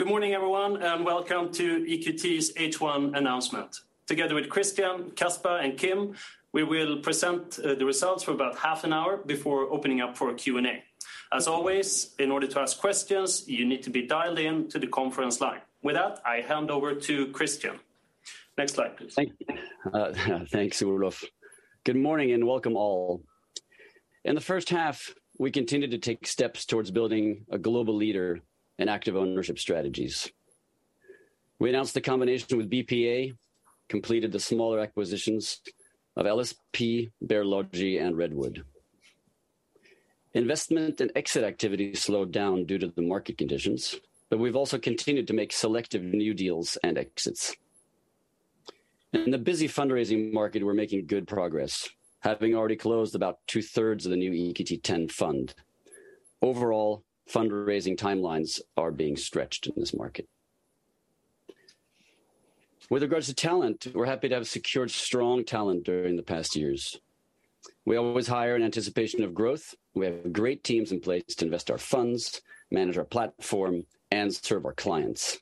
Good morning, everyone, and welcome to EQT's H1 announcement. Together with Christian, Caspar, and Kim, we will present the results for about half an hour before opening up for a Q&A. As always, in order to ask questions, you need to be dialed in to the conference line. With that, I hand over to Christian. Next slide, please. Thank you. Thanks, Olof. Good morning, and welcome all. In the first half, we continued to take steps towards building a global leader in active ownership strategies. We announced the combination with BPEA, completed the smaller acquisitions of LSP, Bear Logi, and Redwood Materials. Investment and exit activity slowed down due to the market conditions, but we've also continued to make selective new deals and exits. In the busy fundraising market, we're making good progress, having already closed about two-thirds of the new EQT X fund. Overall, fundraising timelines are being stretched in this market. With regards to talent, we're happy to have secured strong talent during the past years. We always hire in anticipation of growth. We have great teams in place to invest our funds, manage our platform, and serve our clients.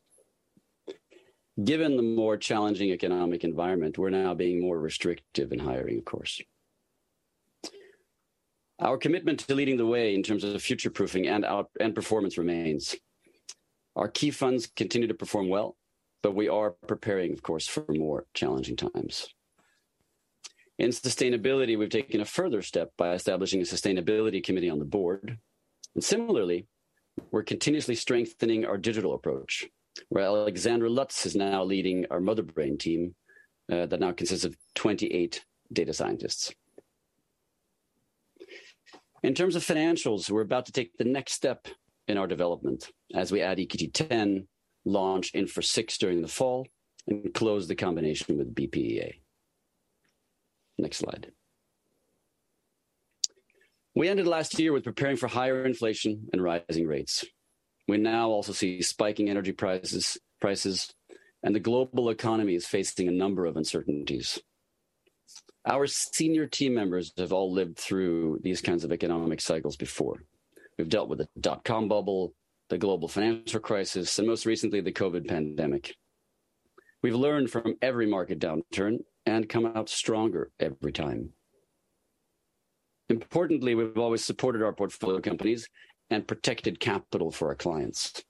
Given the more challenging economic environment, we're now being more restrictive in hiring, of course. Our commitment to leading the way in terms of future-proofing and outperformance remains. Our key funds continue to perform well, but we are preparing, of course, for more challenging times. In sustainability, we've taken a further step by establishing a sustainability committee on the board. Similarly, we're continuously strengthening our digital approach, where Alexandra Lutz is now leading our Motherbrain team, that now consists of 28 data scientists. In terms of financials, we're about to take the next step in our development as we add EQT X, launch Infrastructure VI during the fall, and close the combination with BPEA. Next slide. We ended last year with preparing for higher inflation and rising rates. We now also see spiking energy prices, and the global economy is facing a number of uncertainties. Our senior team members have all lived through these kinds of economic cycles before. We've dealt with the dotcom bubble, the global financial crisis, and most recently, the COVID pandemic. We've learned from every market downturn and come out stronger every time. Importantly, we've always supported our portfolio companies and protected capital for our clients.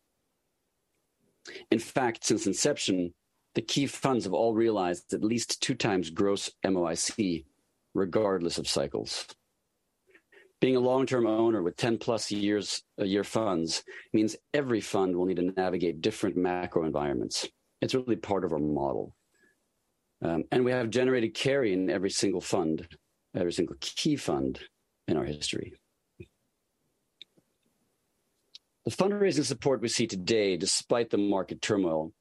In fact, since inception, the key funds have all realized at least 2x gross MOIC regardless of cycles. Being a long-term owner with 10+ year funds means every fund will need to navigate different macro environments. It's really part of our model. We have generated carry in every single fund, every single key fund in our history. The fundraising support we see today, despite the market turmoil,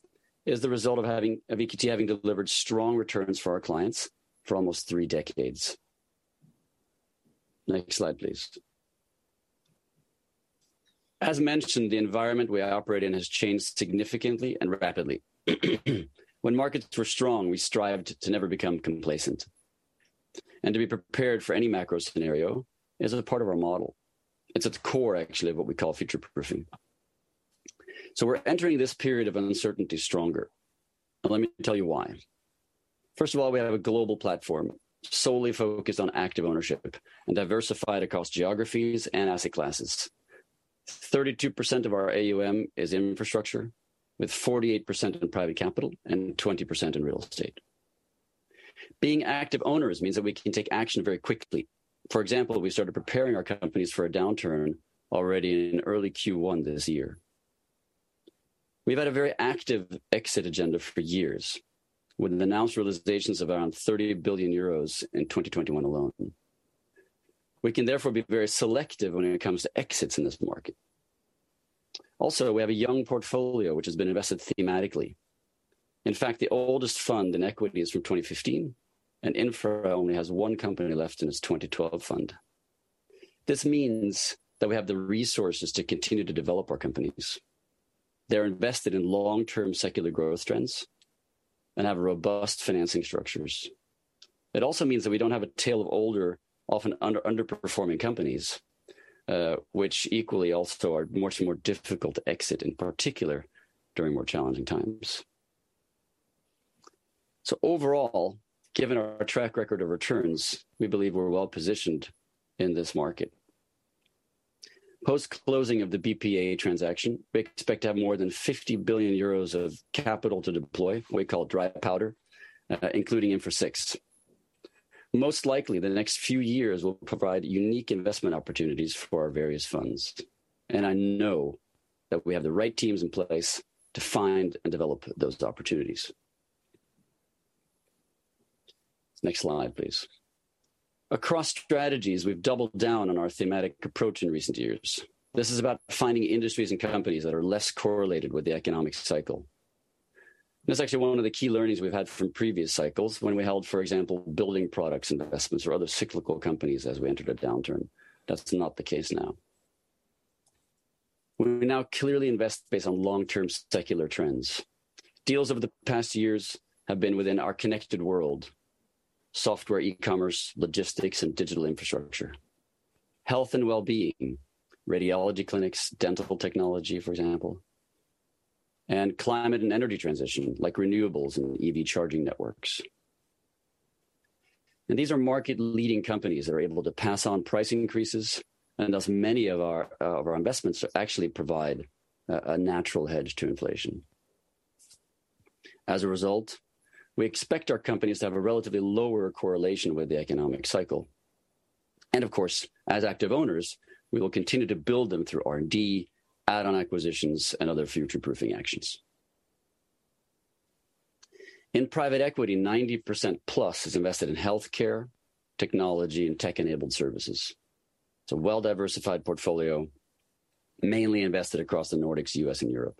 is the result of EQT having delivered strong returns for our clients for almost three decades. Next slide, please. As mentioned, the environment we operate in has changed significantly and rapidly. When markets were strong, we strived to never become complacent and to be prepared for any macro scenario is a part of our model. It's at the core actually of what we call future-proofing. We're entering this period of uncertainty stronger. Let me tell you why. First of all, we have a global platform solely focused on active ownership and diversified across geographies and asset classes. 32% of our AUM is infrastructure with 48% in private capital and 20% in real estate. Being active owners means that we can take action very quickly. For example, we started preparing our companies for a downturn already in early Q1 this year. We've had a very active exit agenda for years with announced realizations of around 30 billion euros in 2021 alone. We can therefore be very selective when it comes to exits in this market. Also, we have a young portfolio which has been invested thematically. In fact, the oldest fund in equity is from 2015, and Infra only has one company left in its 2012 fund. This means that we have the resources to continue to develop our companies. They're invested in long-term secular growth trends and have robust financing structures. It also means that we don't have a tail of older, often underperforming companies, which equally also are much more difficult to exit, in particular during more challenging times. Overall, given our track record of returns, we believe we're well positioned in this market. Post-closing of the BPEA transaction, we expect to have more than 50 billion euros of capital to deploy, what we call dry powder, including Infra VI. Most likely, the next few years will provide unique investment opportunities for our various funds, and I know that we have the right teams in place to find and develop those opportunities. Next slide, please. Across strategies, we've doubled down on our thematic approach in recent years. This is about finding industries and companies that are less correlated with the economic cycle. That's actually one of the key learnings we've had from previous cycles when we held, for example, building products investments or other cyclical companies as we entered a downturn. That's not the case now. We now clearly invest based on long-term secular trends. Deals over the past years have been within our connected world: software, e-commerce, logistics, and digital infrastructure. Health and wellbeing, radiology clinics, dental technology, for example, and climate and energy transition like renewables and EV charging networks. These are market leading companies that are able to pass on price increases and thus many of our investments actually provide a natural hedge to inflation. As a result, we expect our companies to have a relatively lower correlation with the economic cycle. Of course, as active owners, we will continue to build them through R&D, add-on acquisitions and other future-proofing actions. In private equity, 90% plus is invested in healthcare, technology and tech-enabled services. It's a well-diversified portfolio mainly invested across the Nordics, U.S. and Europe.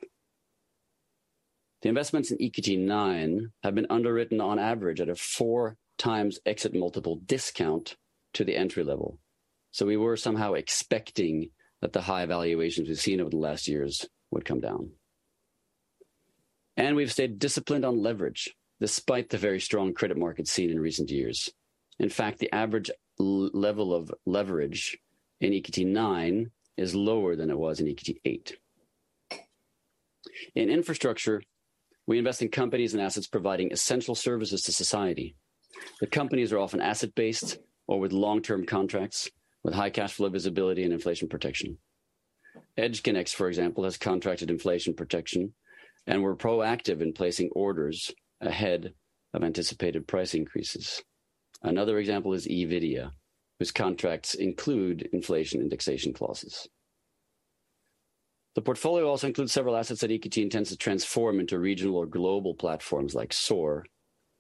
The investments in EQT IX have been underwritten on average at a 4x exit multiple discount to the entry level. We were somehow expecting that the high valuations we've seen over the last years would come down. We've stayed disciplined on leverage despite the very strong credit market seen in recent years. In fact, the average level of leverage in EQT IX is lower than it was in EQT VIII. In infrastructure, we invest in companies and assets providing essential services to society. The companies are often asset-based or with long-term contracts with high cash flow visibility and inflation protection. EdgeConneX, for example, has contracted inflation protection and we're proactive in placing orders ahead of anticipated price increases. Another example is Evidia, whose contracts include inflation indexation clauses. The portfolio also includes several assets that EQT intends to transform into regional or global platforms like Saur,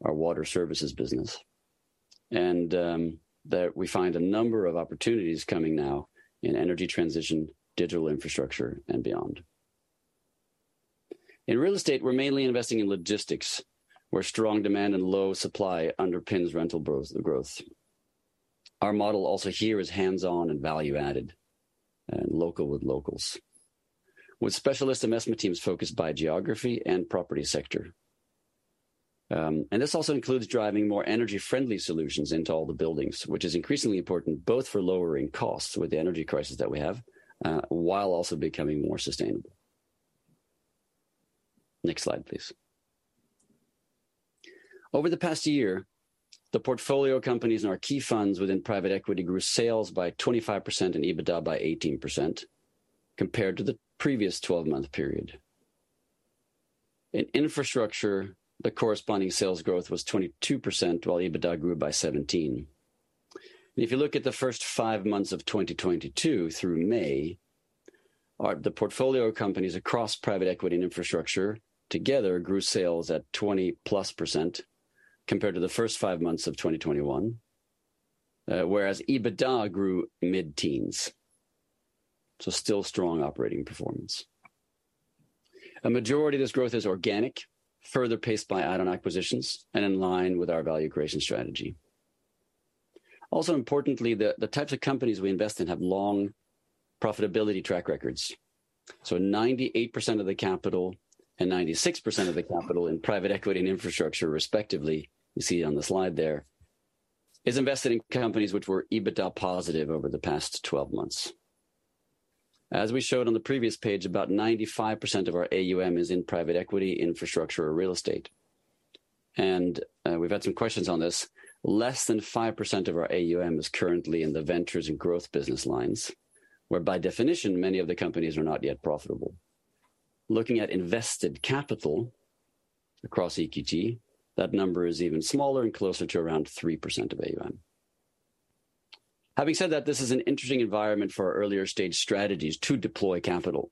our water services business that we find a number of opportunities coming now in energy transition, digital infrastructure and beyond. In real estate, we're mainly investing in logistics where strong demand and low supply underpins rental growth. Our model also here is hands-on and value added and local with locals with specialist investment teams focused by geography and property sector. This also includes driving more energy friendly solutions into all the buildings, which is increasingly important both for lowering costs with the energy crisis that we have, while also becoming more sustainable. Next slide, please. Over the past year, the portfolio companies in our key funds within private equity grew sales by 25% and EBITDA by 18% compared to the previous 12-month period. In infrastructure, the corresponding sales growth was 22% while EBITDA grew by 17%. If you look at the first five months of 2022 through May, the portfolio companies across private equity and infrastructure together grew sales at 20+% compared to the first five months of 2021, whereas EBITDA grew mid-teens. Still strong operating performance. A majority of this growth is organic, further paced by add-on acquisitions and in line with our value creation strategy. Also importantly, the types of companies we invest in have long profitability track records. 98% of the capital and 96% of the capital in private equity and infrastructure respectively, you see it on the slide there, is invested in companies which were EBITDA positive over the past 12 months. As we showed on the previous page, about 95% of our AUM is in private equity, infrastructure or real estate. We've had some questions on this. Less than 5% of our AUM is currently in the ventures and growth business lines, where by definition many of the companies are not yet profitable. Looking at invested capital across EQT, that number is even smaller and closer to around 3% of AUM. Having said that, this is an interesting environment for our earlier stage strategies to deploy capital.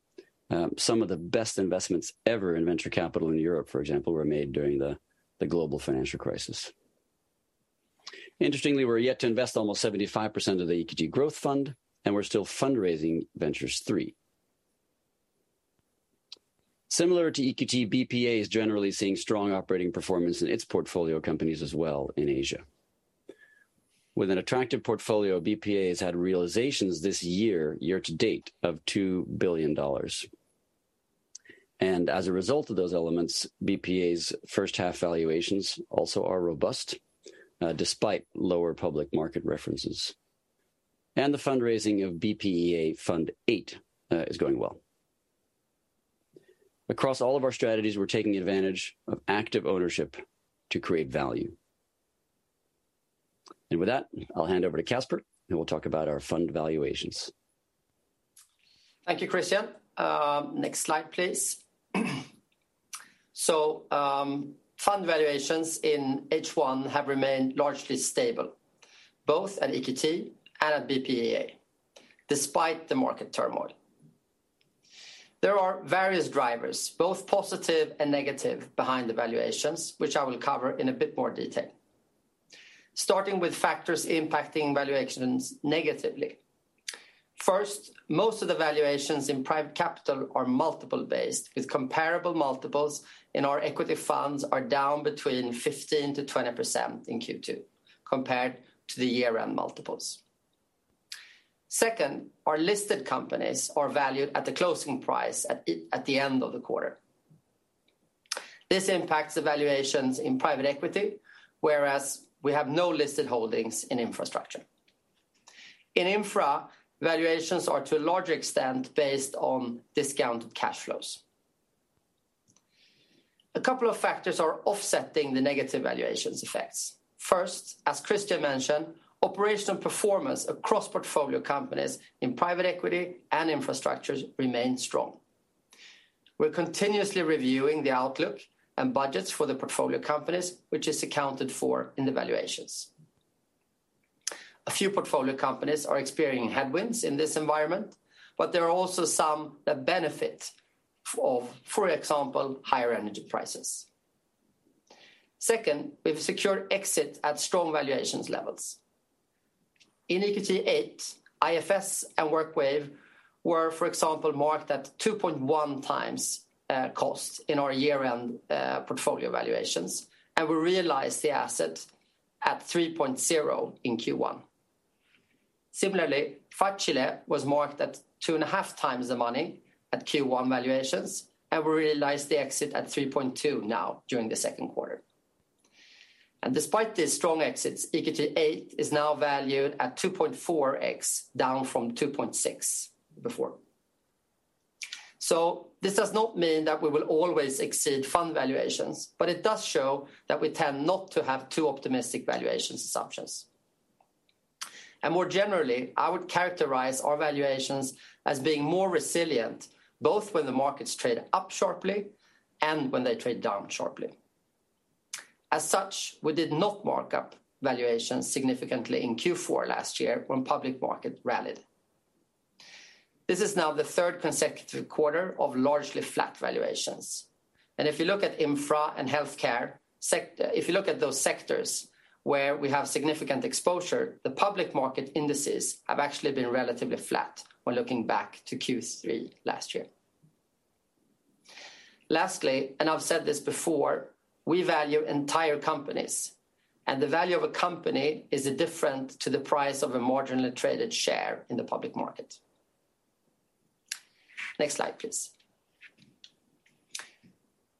Some of the best investments ever in venture capital in Europe, for example, were made during the global financial crisis. Interestingly, we're yet to invest almost 75% of the EQT Growth Fund, and we're still fundraising Ventures III. Similar to EQT, BPEA is generally seeing strong operating performance in its portfolio companies as well in Asia. With an attractive portfolio, BPEA has had realizations this year to date, of $2 billion. As a result of those elements, BPEA's first half valuations also are robust, despite lower public market references. The fundraising of BPEA Fund VIII is going well. Across all of our strategies, we're taking advantage of active ownership to create value. With that, I'll hand over to Caspar, and we'll talk about our fund valuations. Thank you, Christian. Next slide, please. Fund valuations in H1 have remained largely stable, both at EQT and at BPEA, despite the market turmoil. There are various drivers, both positive and negative, behind the valuations, which I will cover in a bit more detail. Starting with factors impacting valuations negatively. First, most of the valuations in private capital are multiple based, with comparable multiples in our equity funds are down between 15%-20% in Q2 compared to the year-end multiples. Second, our listed companies are valued at the closing price at the end of the quarter. This impacts the valuations in private equity, whereas we have no listed holdings in infrastructure. In infra, valuations are to a larger extent based on discounted cash flows. A couple of factors are offsetting the negative valuations effects. First, as Christian mentioned, operational performance across portfolio companies in private equity and infrastructure remains strong. We're continuously reviewing the outlook and budgets for the portfolio companies, which is accounted for in the valuations. A few portfolio companies are experiencing headwinds in this environment, but there are also some that benefit from, for example, higher energy prices. Second, we've secured exits at strong valuation levels. In EQT VIII, IFS and WorkWave were, for example, marked at 2.1x cost in our year-end portfolio valuations, and we realized the asset at 3.0x in Q1. Similarly, Facile.it was marked at 2.5 times the money at Q1 valuations, and we realized the exit at 3.2x now during the second quarter. Despite these strong exits, EQT VIII is now valued at 2.4x, down from 2.6x before. This does not mean that we will always exceed fund valuations, but it does show that we tend not to have too optimistic valuation assumptions. More generally, I would characterize our valuations as being more resilient, both when the markets trade up sharply and when they trade down sharply. As such, we did not mark up valuations significantly in Q4 last year when public market rallied. This is now the third consecutive quarter of largely flat valuations. If you look at those sectors where we have significant exposure, the public market indices have actually been relatively flat when looking back to Q3 last year. Lastly, and I've said this before, we value entire companies, and the value of a company is different to the price of a marginally traded share in the public market. Next slide, please.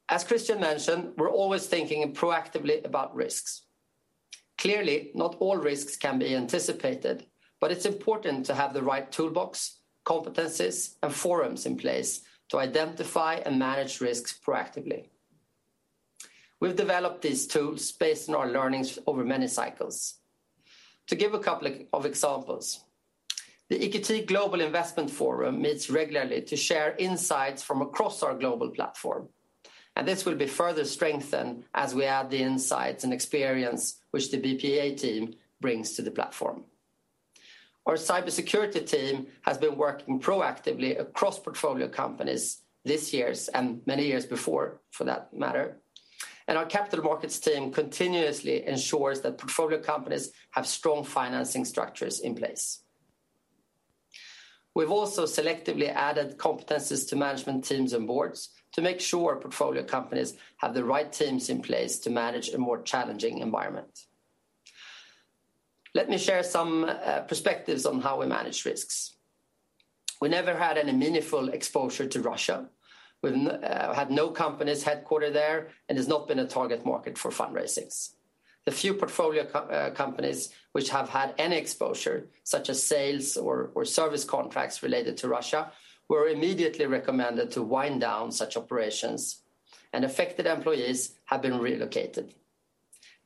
As Christian mentioned, we're always thinking proactively about risks. Clearly, not all risks can be anticipated, but it's important to have the right toolbox, competencies, and forums in place to identify and manage risks proactively. We've developed these tools based on our learnings over many cycles. To give a couple of examples, the EQT Global Investment Forum meets regularly to share insights from across our global platform, and this will be further strengthened as we add the insights and experience which the BPEA team brings to the platform. Our cybersecurity team has been working proactively across portfolio companies this year and many years before, for that matter. Our capital markets team continuously ensures that portfolio companies have strong financing structures in place. We've also selectively added competencies to management teams and boards to make sure portfolio companies have the right teams in place to manage a more challenging environment. Let me share some perspectives on how we manage risks. We never had any meaningful exposure to Russia. We've had no companies headquartered there and has not been a target market for fundraisings. The few portfolio companies which have had any exposure, such as sales or service contracts related to Russia, were immediately recommended to wind down such operations, and affected employees have been relocated.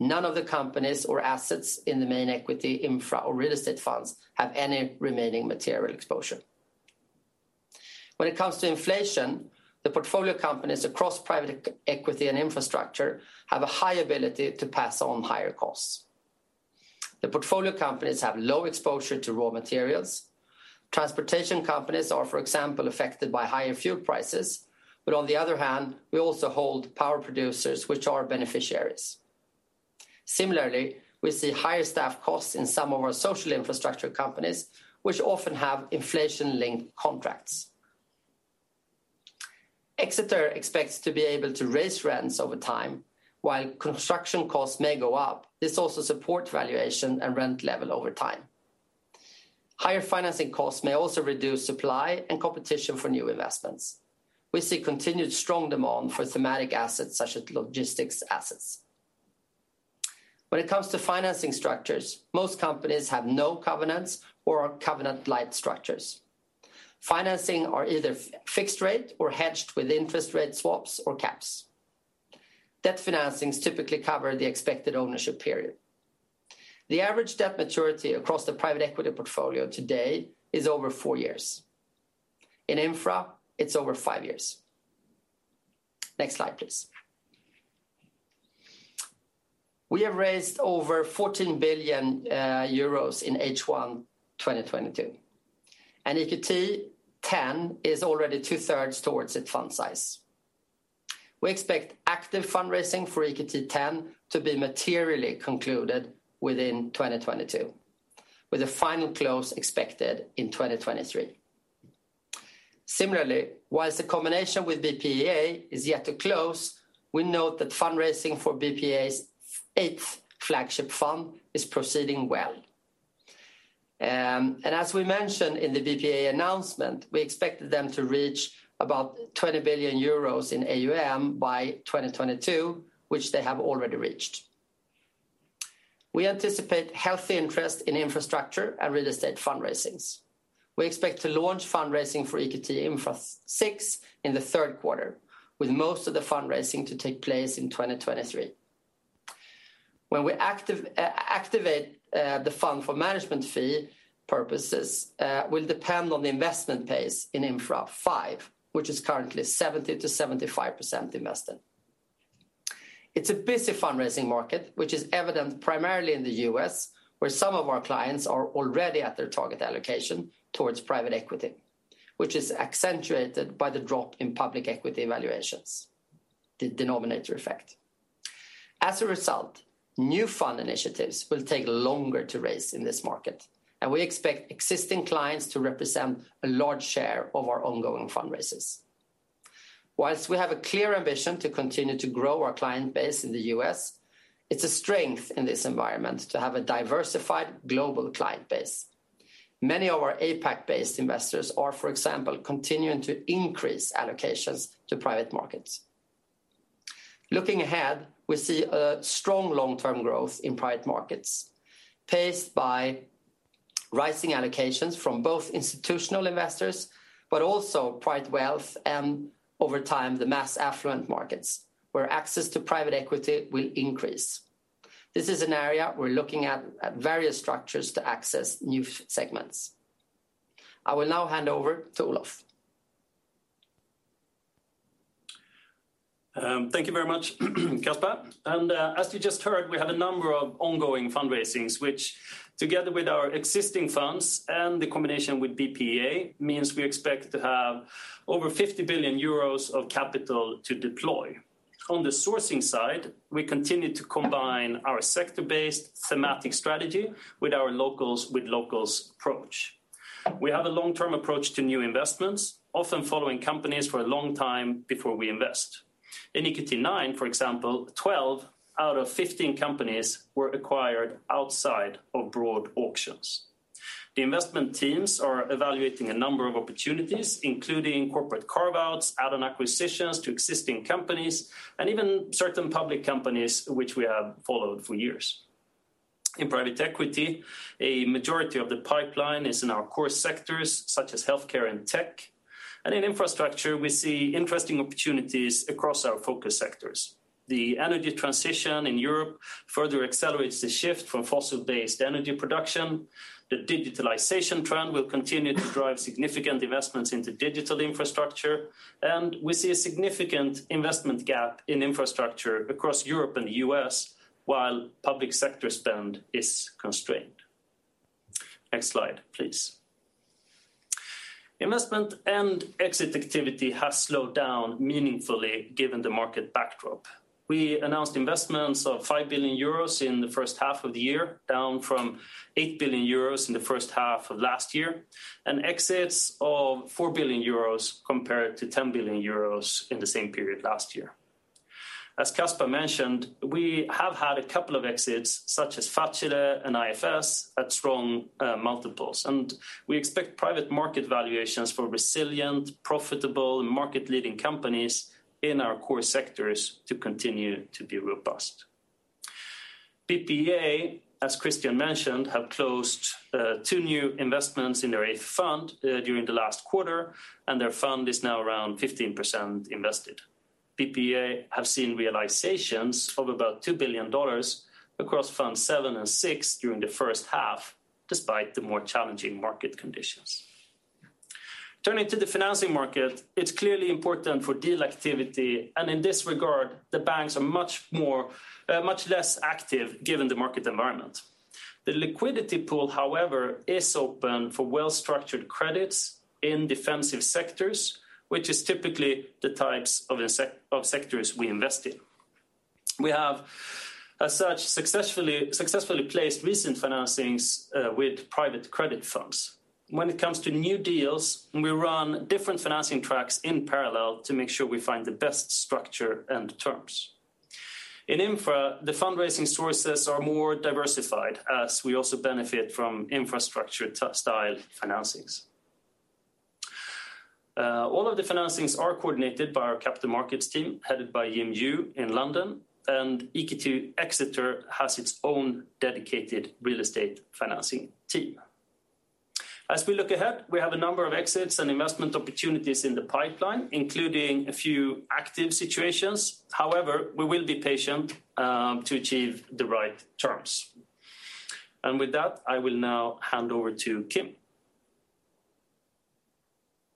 None of the companies or assets in the main equity infra or real estate funds have any remaining material exposure. When it comes to inflation, the portfolio companies across private equity and infrastructure have a high ability to pass on higher costs. The portfolio companies have low exposure to raw materials. Transportation companies are, for example, affected by higher fuel prices, but on the other hand, we also hold power producers which are beneficiaries. Similarly, we see higher staff costs in some of our social infrastructure companies which often have inflation-linked contracts. Exeter expects to be able to raise rents over time while construction costs may go up. This also supports valuation and rent level over time. Higher financing costs may also reduce supply and competition for new investments. We see continued strong demand for thematic assets such as logistics assets. When it comes to financing structures, most companies have no covenants or covenant-light structures. Financings are either fixed rate or hedged with interest rate swaps or caps. Debt financings typically cover the expected ownership period. The average debt maturity across the private equity portfolio today is over four years. In infra, it's over five years. Next slide, please. We have raised over 14 billion euros in H1 2022, and EQT X is already two-thirds towards its fund size. We expect active fundraising for EQT X to be materially concluded within 2022, with a final close expected in 2023. Similarly, while the combination with BPEA is yet to close, we note that fundraising for BPEA's eighth flagship fund is proceeding well. As we mentioned in the BPEA announcement, we expected them to reach about 20 billion euros in AUM by 2022, which they have already reached. We anticipate healthy interest in infrastructure and real estate fundraisings. We expect to launch fundraising for EQT Infra VI in the third quarter, with most of the fundraising to take place in 2023. When we activate the fund for management fee purposes, will depend on the investment pace in Infra V, which is currently 70%-75% invested. It's a busy fundraising market, which is evident primarily in the US, where some of our clients are already at their target allocation towards private equity, which is accentuated by the drop in public equity valuations, the denominator effect. As a result, new fund initiatives will take longer to raise in this market, and we expect existing clients to represent a large share of our ongoing fundraisers. While we have a clear ambition to continue to grow our client base in the US, it's a strength in this environment to have a diversified global client base. Many of our APAC-based investors are, for example, continuing to increase allocations to private markets. Looking ahead, we see a strong long-term growth in private markets, paced by rising allocations from both institutional investors but also private wealth and, over time, the mass affluent markets where access to private equity will increase. This is an area we're looking at various structures to access new segments. I will now hand over to Olof. Thank you very much, Caspar. As you just heard, we have a number of ongoing fundraisings which, together with our existing funds and the combination with BPEA, means we expect to have over 50 billion euros of capital to deploy. On the sourcing side, we continue to combine our sector-based thematic strategy with our local-with-local approach. We have a long-term approach to new investments, often following companies for a long time before we invest. In EQT IX, for example, 12 out of 15 companies were acquired outside of broad auctions. The investment teams are evaluating a number of opportunities, including corporate carve-outs, add-on acquisitions to existing companies, and even certain public companies which we have followed for years. In private equity, a majority of the pipeline is in our core sectors such as healthcare and tech. In infrastructure, we see interesting opportunities across our focus sectors. The energy transition in Europe further accelerates the shift from fossil-based energy production. The digitalization trend will continue to drive significant investments into digital infrastructure, and we see a significant investment gap in infrastructure across Europe and the US while public sector spend is constrained. Next slide, please. Investment and exit activity has slowed down meaningfully given the market backdrop. We announced investments of 5 billion euros in the first half of the year, down from 8 billion euros in the first half of last year, and exits of 4 billion euros compared to 10 billion euros in the same period last year. As Casper mentioned, we have had a couple of exits, such as Facile.it and IFS, at strong multiples. We expect private market valuations for resilient, profitable, market-leading companies in our core sectors to continue to be robust. BPEA, as Christian mentioned, have closed two new investments in their eighth fund during the last quarter, and their fund is now around 15% invested. BPEA have seen realizations of about $2 billion across fund seven and six during the first half, despite the more challenging market conditions. Turning to the financing market, it's clearly important for deal activity. In this regard, the banks are much less active given the market environment. The liquidity pool, however, is open for well-structured credits in defensive sectors, which is typically the types of sectors we invest in. We have as such successfully placed recent financings with private credit funds. When it comes to new deals, we run different financing tracks in parallel to make sure we find the best structure and terms. In Infra, the fundraising sources are more diversified as we also benefit from infrastructure-type style financings. All of the financings are coordinated by our capital markets team, headed by Jim Yu in London, and EQT Exeter has its own dedicated real estate financing team. As we look ahead, we have a number of exits and investment opportunities in the pipeline, including a few active situations. However, we will be patient to achieve the right terms. With that, I will now hand over to Kim.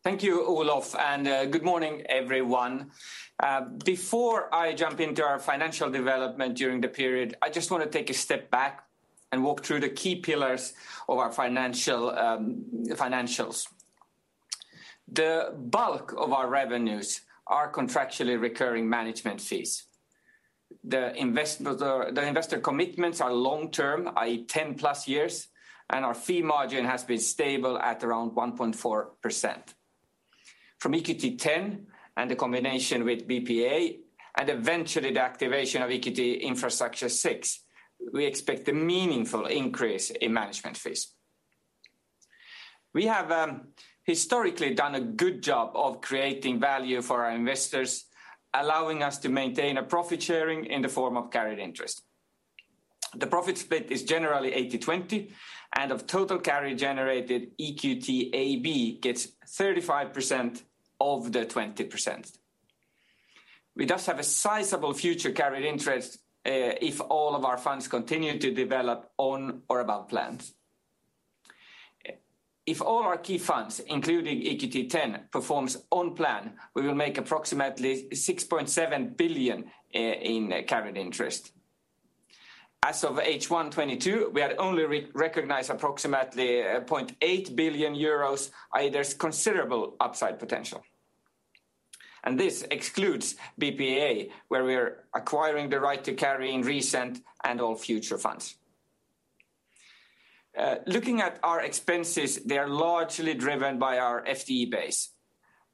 Thank you, Olof, and good morning, everyone. Before I jump into our financial development during the period, I just wanna take a step back and walk through the key pillars of our financials. The bulk of our revenues are contractually recurring management fees. The investor commitments are long term, i.e., 10+ years, and our fee margin has been stable at around 1.4%. From EQT X and the combination with BPEA and eventually the activation of EQT Infrastructure VI, we expect a meaningful increase in management fees. We have historically done a good job of creating value for our investors, allowing us to maintain a profit sharing in the form of carried interest. The profit split is generally 80/20, and of total carry generated, EQT AB gets 35% of the 20%. We thus have a sizable future carried interest if all of our funds continue to develop on or above plans. If all our key funds, including EQT X performs on plan, we will make approximately 6.7 billion in carried interest. As of H1 2022, we had only re-recognized approximately 0.8 billion euros. i.e., there's considerable upside potential. This excludes BPEA, where we're acquiring the right to carry in recent and all future funds. Looking at our expenses, they are largely driven by our fee base.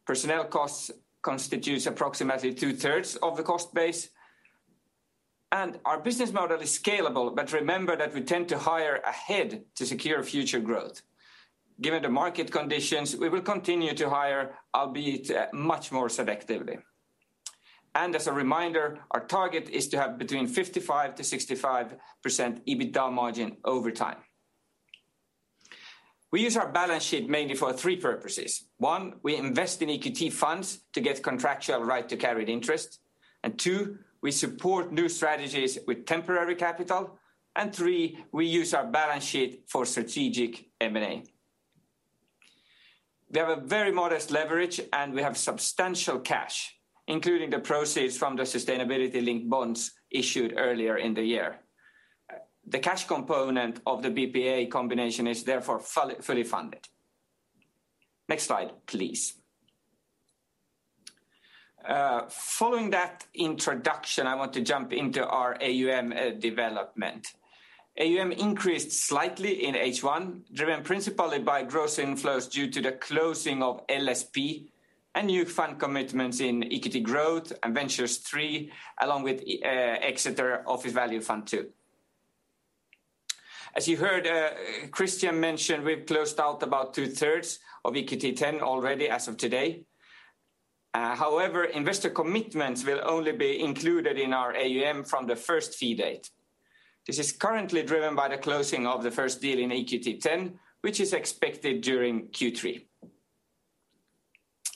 Personnel costs constitutes approximately two-thirds of the cost base, and our business model is scalable, but remember that we tend to hire ahead to secure future growth. Given the market conditions, we will continue to hire, albeit much more selectively. As a reminder, our target is to have between 55%-65% EBITDA margin over time. We use our balance sheet mainly for three purposes. One, we invest in EQT funds to get contractual right to carried interest. Two, we support new strategies with temporary capital. Three, we use our balance sheet for strategic M&A. We have a very modest leverage, and we have substantial cash, including the proceeds from the sustainability-linked bonds issued earlier in the year. The cash component of the BPEA combination is therefore fully funded. Next slide, please. Following that introduction, I want to jump into our AUM development. AUM increased slightly in H1, driven principally by gross inflows due to the closing of LSP and new fund commitments in EQT Growth and Ventures III, along with Exeter Industrial Value Fund II. As you heard Christian mention, we've closed out about two-thirds of EQT X already as of today. However, investor commitments will only be included in our AUM from the first fee date. This is currently driven by the closing of the first deal in EQT X, which is expected during Q3.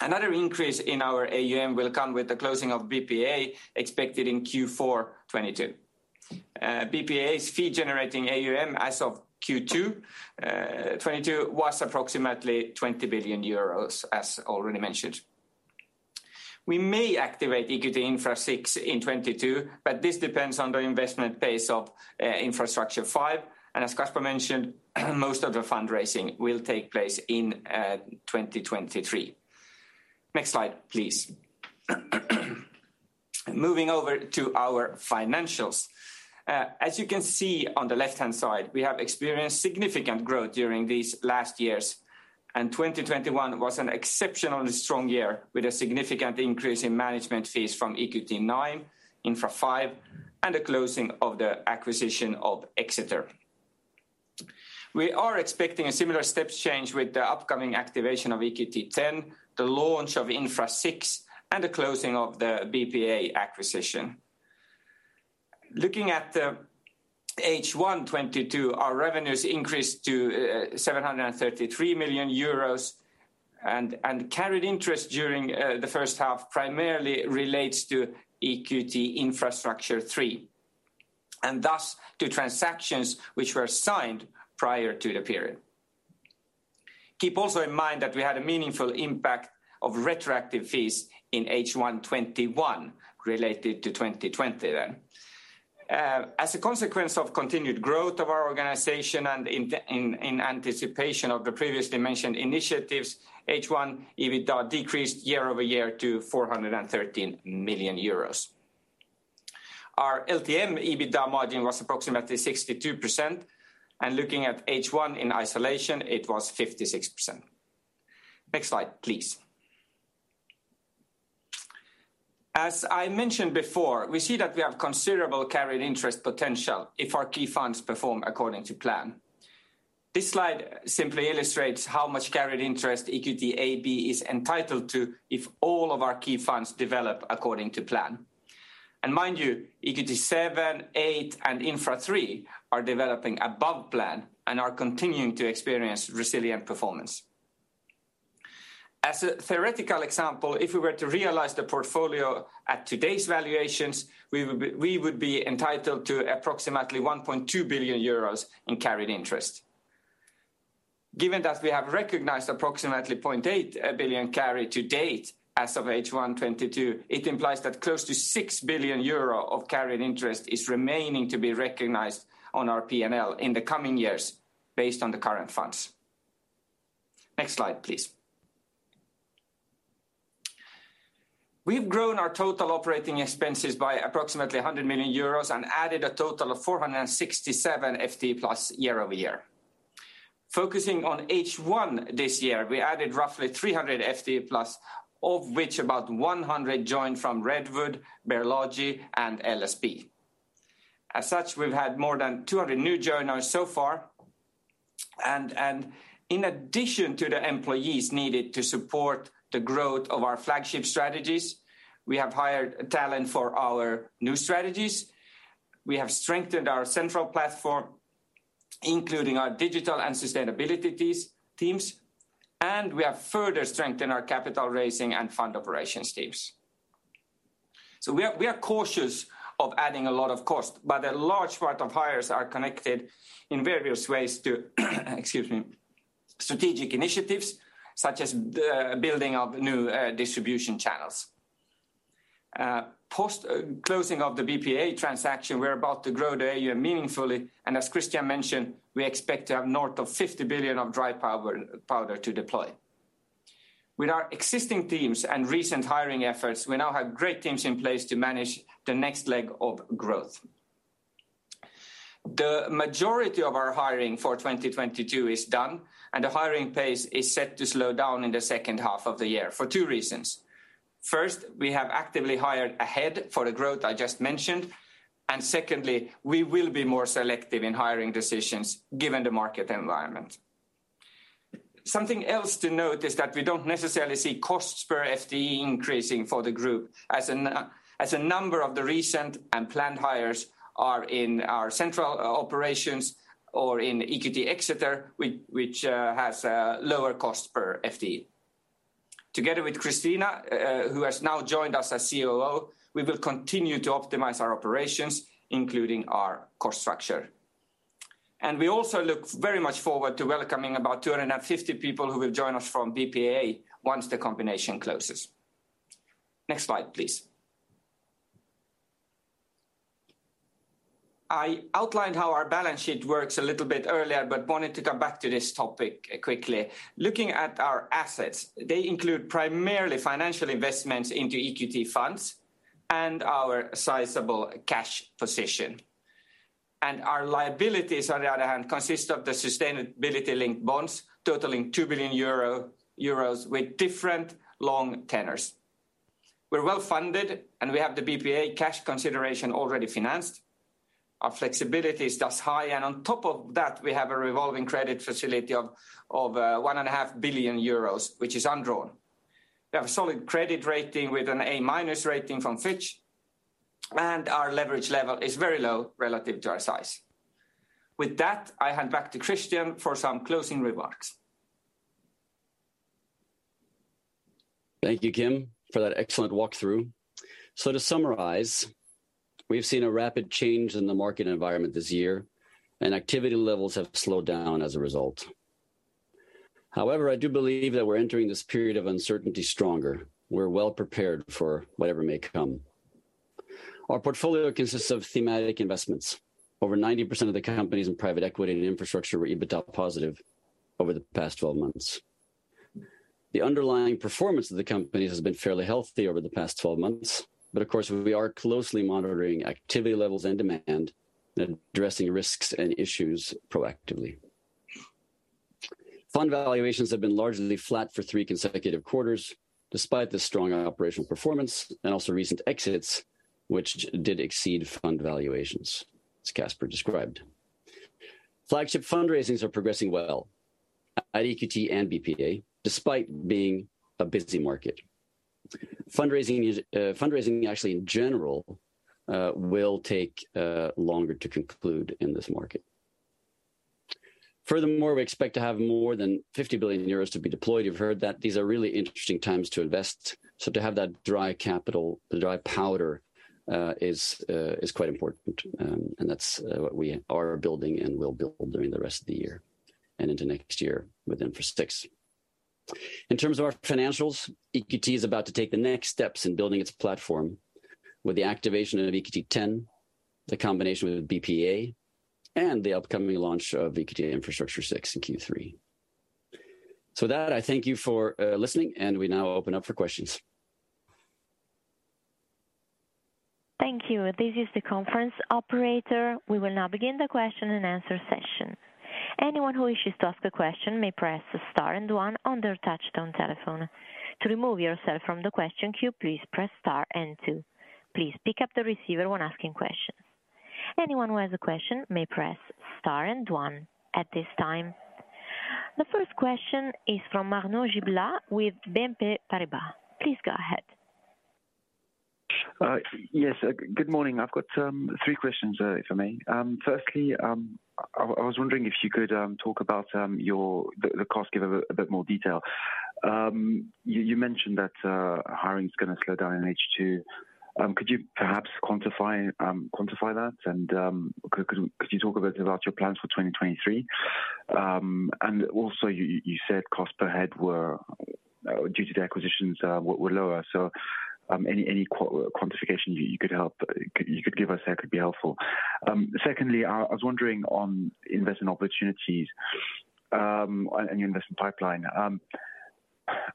Another increase in our AUM will come with the closing of BPEA expected in Q4 2022. BPEA's fee generating AUM as of Q2 2022 was approximately 20 billion euros, as already mentioned. We may activate EQT Infra VI in 2022, but this depends on the investment pace of Infrastructure V. As Casper mentioned, most of the fundraising will take place in 2023. Next slide, please. Moving over to our financials. As you can see on the left-hand side, we have experienced significant growth during these last years, and 2021 was an exceptionally strong year with a significant increase in management fees from EQT IX, Infra V, and the closing of the acquisition of Exeter. We are expecting a similar step change with the upcoming activation of EQT X, the launch of Infra VI, and the closing of the BPEA acquisition. Looking at the H1 2022, our revenues increased to 733 million euros and carried interest during the first half primarily relates to EQT Infrastructure III, and thus to transactions which were signed prior to the period. Keep also in mind that we had a meaningful impact of retroactive fees in H1 2021 related to 2020 then. As a consequence of continued growth of our organization and in anticipation of the previously mentioned initiatives, H1 EBITDA decreased year-over-year to 413 million euros. Our LTM EBITDA margin was approximately 62%, and looking at H1 in isolation, it was 56%. Next slide, please. As I mentioned before, we see that we have considerable carried interest potential if our key funds perform according to plan. This slide simply illustrates how much carried interest EQT AB is entitled to if all of our key funds develop according to plan. Mind you, EQT VII, VIII and Infrastructure III are developing above plan and are continuing to experience resilient performance. As a theoretical example, if we were to realize the portfolio at today's valuations, we would be entitled to approximately 1.2 billion euros in carried interest. Given that we have recognized approximately 0.8 billion carry to date as of H1 2022, it implies that close to 6 billion euro of carried interest is remaining to be recognized on our P&L in the coming years based on the current funds. Next slide, please. We've grown our total operating expenses by approximately 100 million euros and added a total of 467 FTE year-over-year. Focusing on H1 this year, we added roughly 300 FTE plus, of which about 100 joined from Redwood Materials, Bear Logi, and LSP. As such, we've had more than 200 new joiners so far. In addition to the employees needed to support the growth of our flagship strategies, we have hired talent for our new strategies. We have strengthened our central platform, including our digital and sustainability teams, and we have further strengthened our capital raising and fund operations teams. We are cautious of adding a lot of cost, but a large part of hires are connected in various ways to, excuse me, strategic initiatives such as the building of new distribution channels. Post-closing of the BPEA transaction, we're about to grow the AUM meaningfully, and as Christian mentioned, we expect to have north of 50 billion of dry powder to deploy. With our existing teams and recent hiring efforts, we now have great teams in place to manage the next leg of growth. The majority of our hiring for 2022 is done, and the hiring pace is set to slow down in the second half of the year for two reasons. First, we have actively hired ahead for the growth I just mentioned, and secondly, we will be more selective in hiring decisions given the market environment. Something else to note is that we don't necessarily see costs per FTE increasing for the group as a number of the recent and planned hires are in our central operations or in EQT Exeter, which has a lower cost per FTE. Together with Christina, who has now joined us as COO, we will continue to optimize our operations, including our cost structure. We also look very much forward to welcoming about 250 people who will join us from BPEA once the combination closes. Next slide, please. I outlined how our balance sheet works a little bit earlier, but wanted to come back to this topic quickly. Looking at our assets, they include primarily financial investments into EQT funds and our sizable cash position. Our liabilities, on the other hand, consist of the sustainability-linked bonds totaling 2 billion euro with different long tenors. We're well-funded, and we have the BPEA cash consideration already financed. Our flexibility is thus high, and on top of that, we have a revolving credit facility of 1.5 billion euros, which is undrawn. We have a solid credit rating with an A-minus rating from Fitch, and our leverage level is very low relative to our size. With that, I hand back to Christian for some closing remarks. Thank you, Kim, for that excellent walkthrough. To summarize, we've seen a rapid change in the market environment this year, and activity levels have slowed down as a result. However, I do believe that we're entering this period of uncertainty stronger. We're well prepared for whatever may come. Our portfolio consists of thematic investments. Over 90% of the companies in private equity and infrastructure were EBITDA positive over the past twelve months. The underlying performance of the companies has been fairly healthy over the past twelve months, but of course, we are closely monitoring activity levels and demand and addressing risks and issues proactively. Fund valuations have been largely flat for three consecutive quarters despite the strong operational performance and also recent exits, which did exceed fund valuations, as Caspar described. Flagship fundraisings are progressing well at EQT and BPEA, despite being a busy market. Fundraising is... Fundraising actually in general will take longer to conclude in this market. Furthermore, we expect to have more than 50 billion euros to be deployed. You've heard that these are really interesting times to invest. To have that dry capital, the dry powder, is quite important. That's what we are building and will build during the rest of the year and into next year with Infrastructure VI. In terms of our financials, EQT is about to take the next steps in building its platform with the activation of EQT X, the combination with BPEA, and the upcoming launch of EQT Infrastructure VI in Q3. With that, I thank you for listening, and we now open up for questions. Thank you. This is the conference operator. We will now begin the question and answer session. Anyone who wishes to ask a question may press star and one on their touchtone telephone. To remove yourself from the question queue, please press star and two. Please pick up the receiver when asking questions. Anyone who has a question may press star and one at this time. The first question is from Arnaud Giblat with BNP Paribas. Please go ahead. Yes. Good morning. I've got three questions, if I may. Firstly, I was wondering if you could talk about the cost, give a bit more detail. You mentioned that hiring is gonna slow down in H2. Could you perhaps quantify that? And could you talk a bit about your plans for 2023? And also you said cost per head were due to the acquisitions were lower. So any quantification you could give us that could be helpful. Secondly, I was wondering on investment opportunities. Your investment pipeline.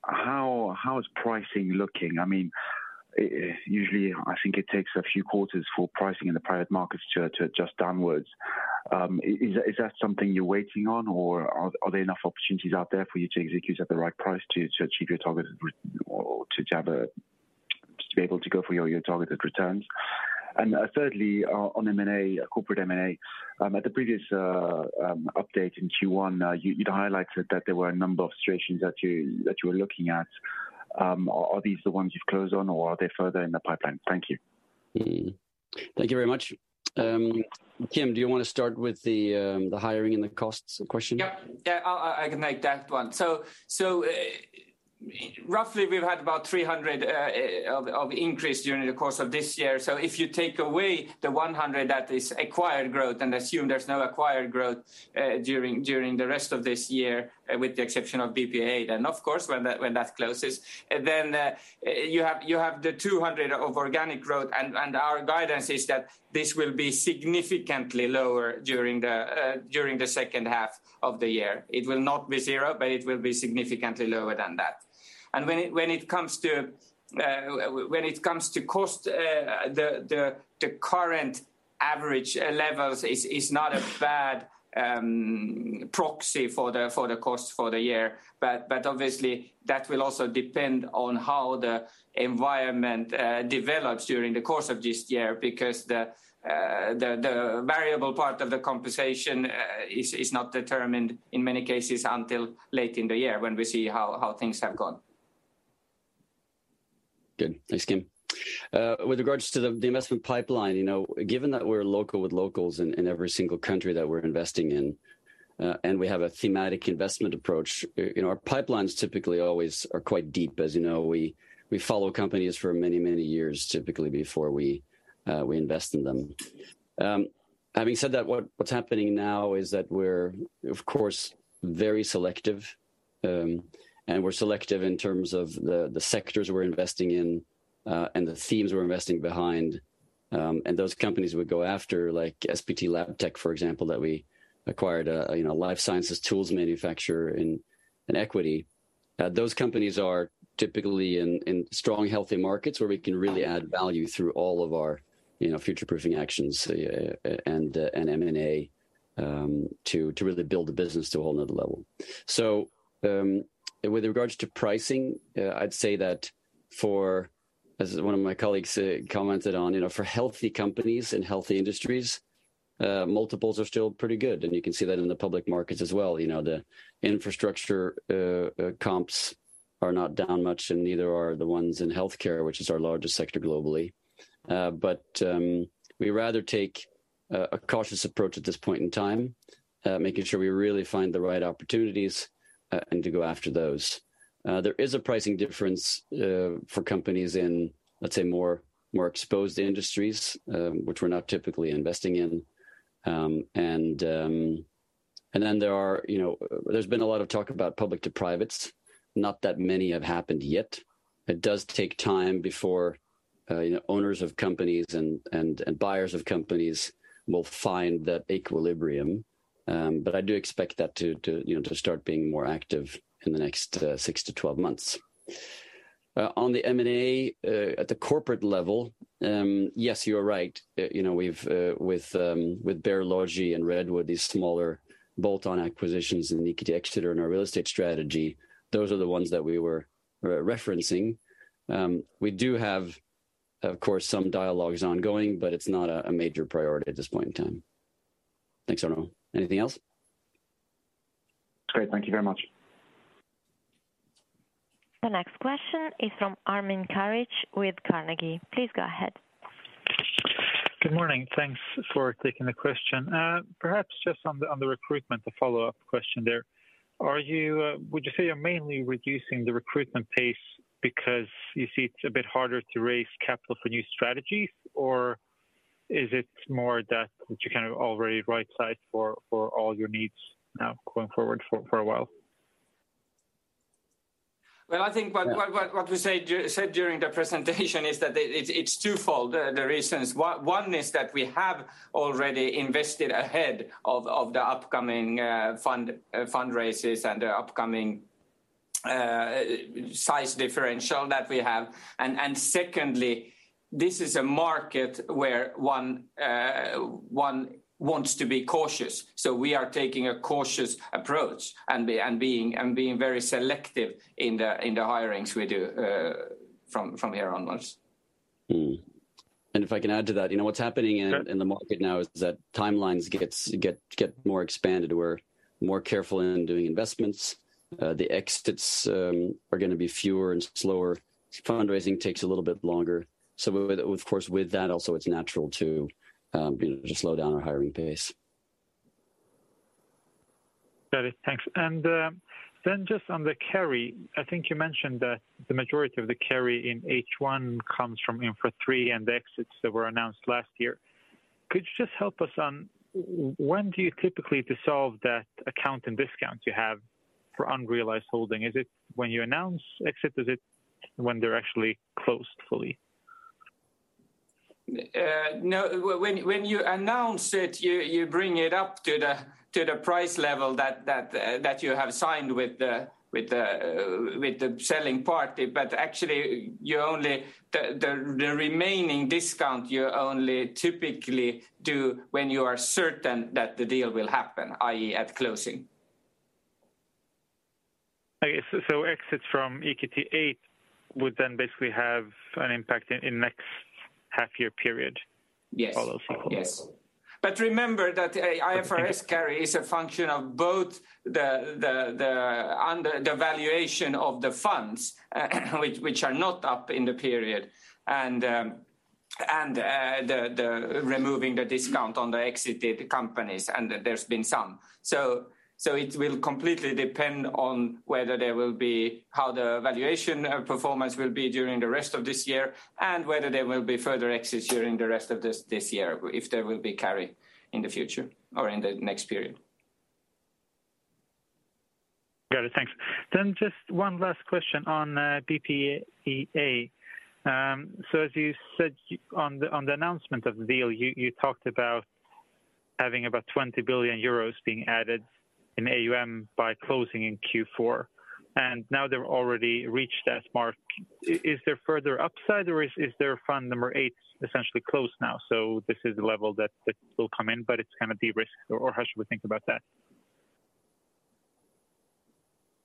How is pricing looking? I mean, usually I think it takes a few quarters for pricing in the private markets to adjust downwards. Is that something you're waiting on, or are there enough opportunities out there for you to execute at the right price to achieve your targeted returns? Thirdly, on M&A, corporate M&A, at the previous update in Q1 now you'd highlighted that there were a number of situations that you were looking at. Are these the ones you've closed on or are they further in the pipeline? Thank you. Thank you very much. Kim, do you wanna start with the hiring and the costs question? Yeah. Yeah, I can make that one. Roughly we've had about 300 of increase during the course of this year. If you take away the 100 that is acquired growth and assume there's no acquired growth during the rest of this year, with the exception of BPEA, then of course, when that closes, you have the 200 of organic growth and our guidance is that this will be significantly lower during the second half of the year. It will not be zero, but it will be significantly lower than that. When it comes to cost, the current average levels is not a bad proxy for the cost for the year. Obviously that will also depend on how the environment develops during the course of this year because the variable part of the compensation is not determined in many cases until late in the year when we see how things have gone. Good. Thanks, Kim. With regards to the investment pipeline, you know, given that we're local with locals in every single country that we're investing in, and we have a thematic investment approach, you know, our pipelines typically always are quite deep. As you know, we follow companies for many years typically before we invest in them. Having said that, what's happening now is that we're of course very selective, and we're selective in terms of the sectors we're investing in, and the themes we're investing behind, and those companies we go after, like SPT Labtech, for example, that we acquired, you know, life sciences tools manufacturer in EQT. Those companies are typically in strong, healthy markets where we can really add value through all of our, you know, future-proofing actions, and M&A, to really build the business to a whole another level. With regards to pricing, I'd say that as one of my colleagues commented on, you know, for healthy companies and healthy industries, multiples are still pretty good, and you can see that in the public markets as well. You know, the infrastructure comps are not down much, and neither are the ones in healthcare, which is our largest sector globally. We rather take a cautious approach at this point in time, making sure we really find the right opportunities, and to go after those. There is a pricing difference for companies in, let's say, more exposed industries, which we're not typically investing in. There are, you know. There's been a lot of talk about public-to-privates. Not that many have happened yet. It does take time before, you know, owners of companies and buyers of companies will find that equilibrium. I do expect that to, you know, start being more active in the next six to 12 months. On the M&A at the corporate level, yes, you are right. You know, we've with Bear Logi and Redwood as smaller bolt-on acquisitions except in our real estate strategy. Those are the ones that we were referencing. We do have, of course, some dialogues ongoing, but it's not a major priority at this point in time. Thanks, Arnaud. Anything else? Great. Thank you very much. The next question is from Armin Karic with Carnegie. Please go ahead. Good morning. Thanks for taking the question. Perhaps just on the recruitment, a follow-up question there. Would you say you're mainly reducing the recruitment pace because you see it's a bit harder to raise capital for new strategies? Or is it more that you're kind of already right sized for all your needs now going forward for a while? Well, I think what we said during the presentation is that it's twofold, the reasons. One is that we have already invested ahead of the upcoming fundraises and the upcoming size differential that we have. Secondly, this is a market where one wants to be cautious. We are taking a cautious approach and being very selective in the hirings we do from here onwards. If I can add to that, you know, what's happening in. Sure In the market now is that timelines get more expanded. We're more careful in doing investments. The exits are gonna be fewer and slower. Fundraising takes a little bit longer. Of course, with that also it's natural to, you know, to slow down our hiring pace. Got it. Thanks. Just on the carry, I think you mentioned that the majority of the carry in H1 comes from Infra III and the exits that were announced last year. Could you just help us on when do you typically dissolve that account and discounts you have for unrealized holding? Is it when you announce exit? Is it when they're actually closed fully? No, when you announce it, you bring it up to the price level that you have signed with the selling party. Actually, the remaining discount you only typically do when you are certain that the deal will happen, i.e., at closing. Okay. Exits from EQT VIII would then basically have an impact in next half year period. Yes Follow this. Yes. Remember that IFRS carry is a function of both the valuation of the funds, which are not up in the period and removing the discount on the exited companies and there's been some. It will completely depend on how the valuation performance will be during the rest of this year and whether there will be further exits during the rest of this year if there will be carry in the future or in the next period. Got it. Thanks. Just one last question on BPEA. So as you said on the announcement of the deal, you talked about having about 20 billion euros being added in AUM by closing in Q4, and now they've already reached that mark. Is there further upside or is there fund number eight essentially closed now? So this is the level that will come in, but it's kind of de-risked or how should we think about that?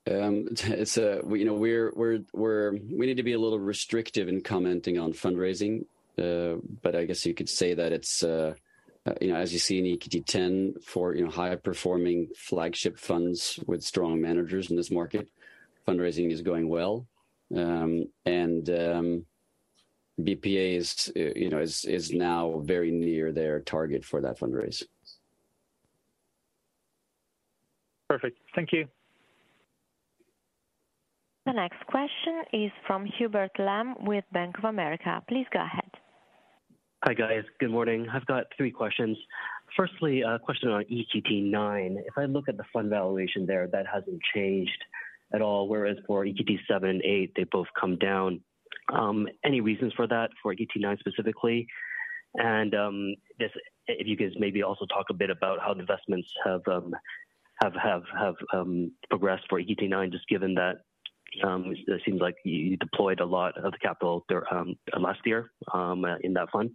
We need to be a little restrictive in commenting on fundraising. But I guess you could say that it's, you know, as you see in EQT X, you know, for high performing flagship funds with strong managers in this market, fundraising is going well. BPEA is, you know, now very near their target for that fundraise. Perfect. Thank you. The next question is from Hubert Lam with Bank of America. Please go ahead. Hi guys. Good morning. I've got three questions. Firstly, a question on EQT IX. If I look at the fund valuation there, that hasn't changed at all, whereas for EQT VII and VIII they both come down. Any reasons for that, for EQT IX specifically? And if you could maybe also talk a bit about how the investments have progressed for EQT IX, just given that it seems like you deployed a lot of the capital there last year in that fund.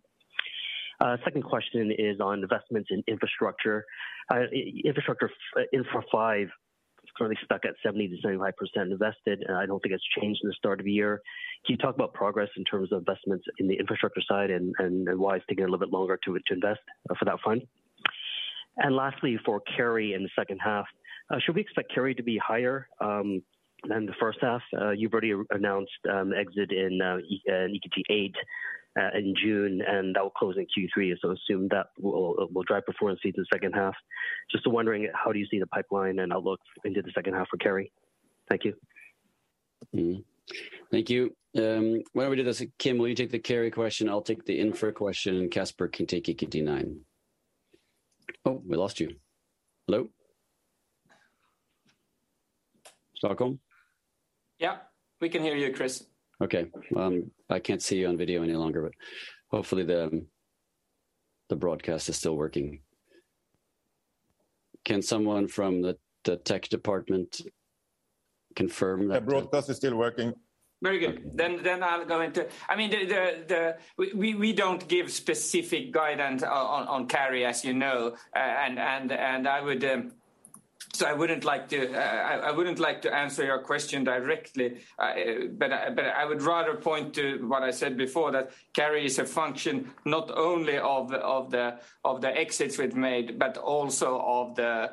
Second question is on investments in infrastructure. EQT Infrastructure V is currently stuck at 70%-75% invested, and I don't think it's changed in the start of the year. Can you talk about progress in terms of investments in the infrastructure side and why it's taking a little bit longer to invest for that fund? Lastly, for carry in the second half, should we expect carry to be higher than the first half? You've already announced exit in EQT VIII in June, and that will close in Q3. Assume that will drive performance in the second half. Just wondering how do you see the pipeline and outlook into the second half for carry? Thank you. Thank you. Why don't we do this? Kim, will you take the carry question? I'll take the Infra question, and Casper can take EQT IX. Oh, we lost you. Hello? Stockholm? Yeah, we can hear you, Chris. Okay. I can't see you on video any longer, but hopefully the broadcast is still working. Can someone from the tech department confirm that the- The broadcast is still working. Very good. I mean, we don't give specific guidance on carry, as you know, and I wouldn't like to answer your question directly. I would rather point to what I said before, that carry is a function not only of the exits we've made, but also of the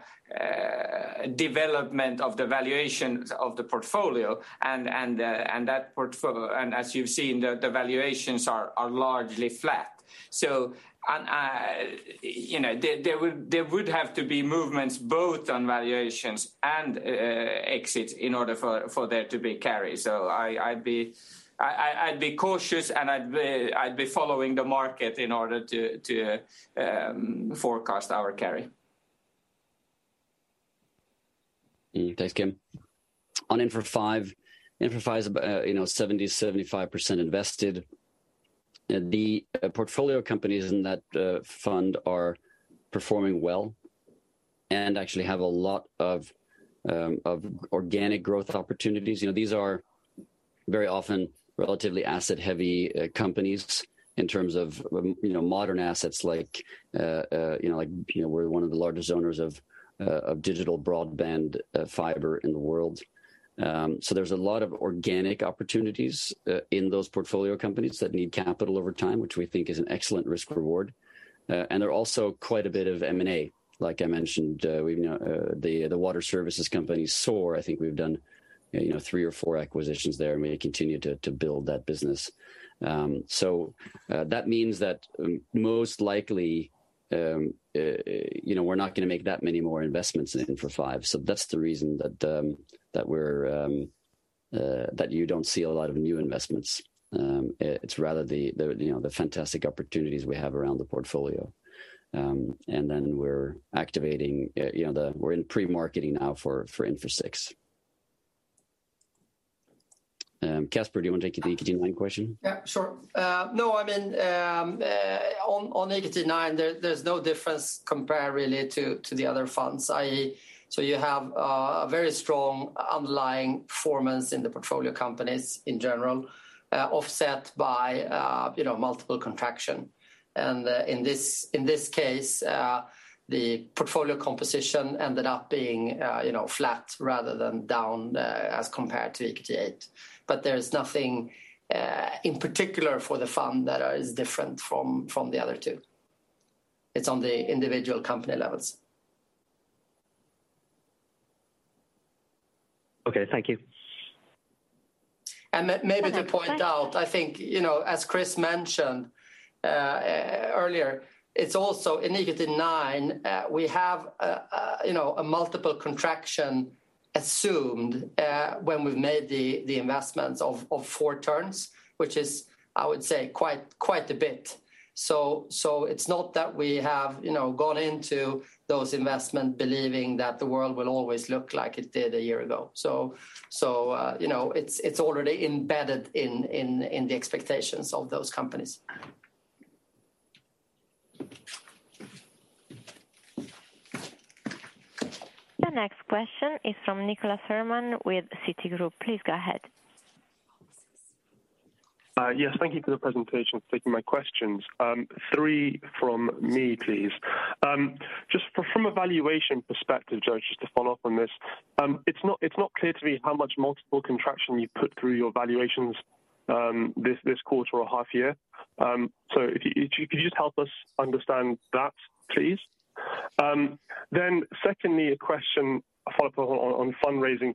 development of the valuations of the portfolio and as you've seen, the valuations are largely flat. You know, there would have to be movements both on valuations and exits in order for there to be carry. I'd be cautious and I'd be following the market in order to forecast our carry. Thanks, Kim. On Infra V, Infra V is about 70%-75% invested. The portfolio companies in that fund are performing well and actually have a lot of organic growth opportunities. You know, these are very often relatively asset heavy companies in terms of modern assets like you know we're one of the largest owners of digital broadband fiber in the world. So there's a lot of organic opportunities in those portfolio companies that need capital over time, which we think is an excellent risk reward. There's also quite a bit of M&A, like I mentioned. We've you know the water services company Saur, I think we've done three or four acquisitions there and we continue to build that business. That means that, most likely, you know, we're not gonna make that many more investments in Infra V. That's the reason that you don't see a lot of new investments. It's rather the you know, the fantastic opportunities we have around the portfolio. We're in pre-marketing now for Infra VI. Caspar, do you want to take the EQT IX question? No, I mean, on EQT IX there's no difference compared really to the other funds. You have a very strong underlying performance in the portfolio companies in general, offset by, you know, multiple contraction. In this case, the portfolio composition ended up being, you know, flat rather than down, as compared to EQT VIII. There is nothing in particular for the fund that is different from the other two. It's on the individual company levels. Okay, thank you. Maybe to point out, I think, you know, as Chris mentioned earlier, it's also in EQT IX, we have, you know, a multiple contraction assumed, when we've made the investments of four turns, which is, I would say, quite a bit. So, you know, it's already embedded in the expectations of those companies. The next question is from Nicholas Herman with Citigroup. Please go ahead. Yes, thank you for the presentation for taking my questions. Three from me, please. Just from a valuation perspective, Joe, just to follow up on this. It's not clear to me how much multiple contraction you put through your valuations, this quarter or half year. So if you could just help us understand that, please? Then secondly, a follow-up question on fundraising.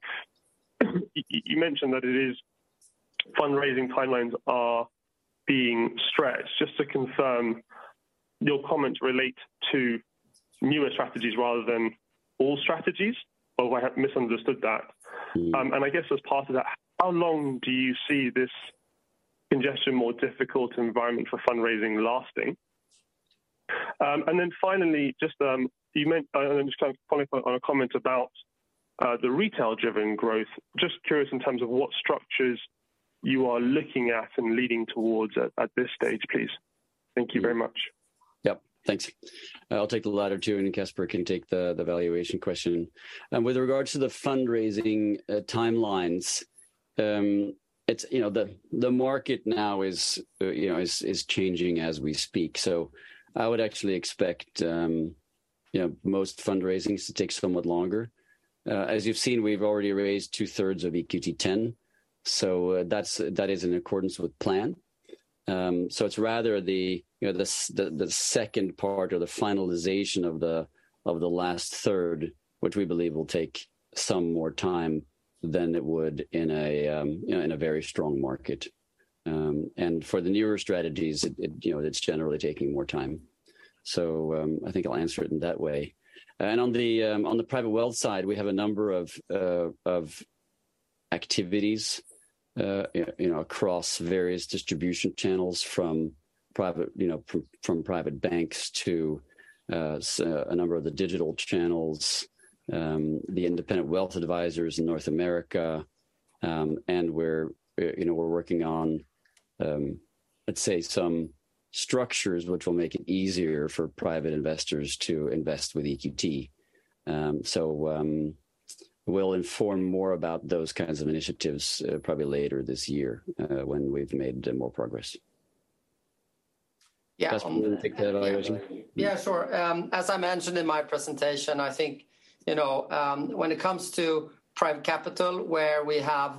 You mentioned that the fundraising timelines are being stretched. Just to confirm, your comments relate to newer strategies rather than all strategies, or I have misunderstood that. Mm-hmm. I guess as part of that, how long do you see this congestion more difficult environment for fundraising lasting? Finally, just kind of follow up on a comment about the retail-driven growth. Just curious in terms of what structures you are looking at and leading towards at this stage, please. Thank you very much. Yep. Thanks. I'll take the latter two, and Caspar can take the valuation question. With regards to the fundraising timelines, it's you know the market now is you know is changing as we speak. I would actually expect you know most fundraisings to take somewhat longer. As you've seen, we've already raised two-thirds of EQT X, so that's in accordance with plan. It's rather the you know the second part or the finalization of the last third, which we believe will take some more time than it would in a you know in a very strong market. For the newer strategies, it you know it's generally taking more time. I think I'll answer it in that way. On the private wealth side, we have a number of activities, you know, across various distribution channels from private banks to a number of the digital channels, the independent wealth advisors in North America. We're working on, let's say, some structures which will make it easier for private investors to invest with EQT. We'll inform more about those kinds of initiatives, probably later this year, when we've made more progress. Yeah. Caspar, do you want to take the valuation? Yeah, sure. As I mentioned in my presentation, I think, you know, when it comes to private capital, where we have,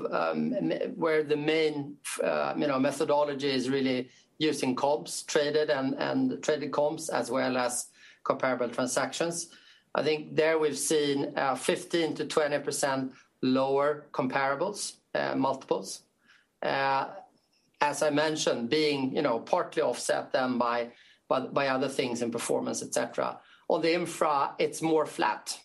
where the main, you know, methodology is really using comps traded and traded comps as well as comparable transactions. I think there we've seen, 15%-20% lower comparables, multiples. As I mentioned, being, you know, partly offset then by other things in performance, et cetera. On the infra, it's more flat.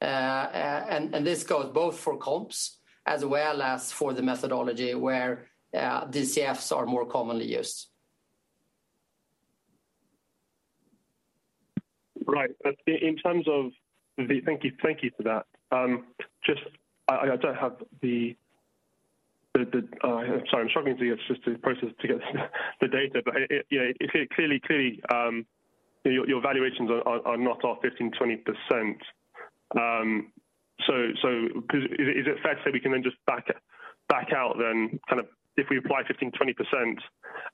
This goes both for comps as well as for the methodology where, DCFs are more commonly used. Right. Thank you for that. Just, I don't have the data. Sorry, I'm struggling to process the data. You know, it clearly, your valuations are not off 15%-20%. Is it fair to say we can then just back out then kind of if we apply 15%-20%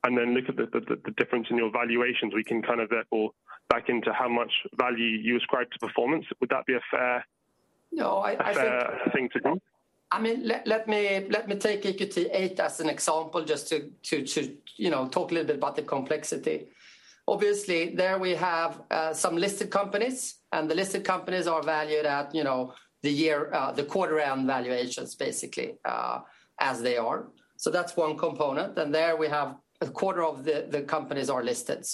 and then look at the difference in your valuations, we can kind of therefore back into how much value you ascribe to performance? Would that be a fair- No, I think. A fair thing to do? I mean, let me take EQT VIII as an example just to, you know, talk a little bit about the complexity. Obviously, there we have some listed companies, and the listed companies are valued at, you know, the year-end, quarter-end valuations, basically, as they are. That's one component. There we have a quarter of the companies are listed.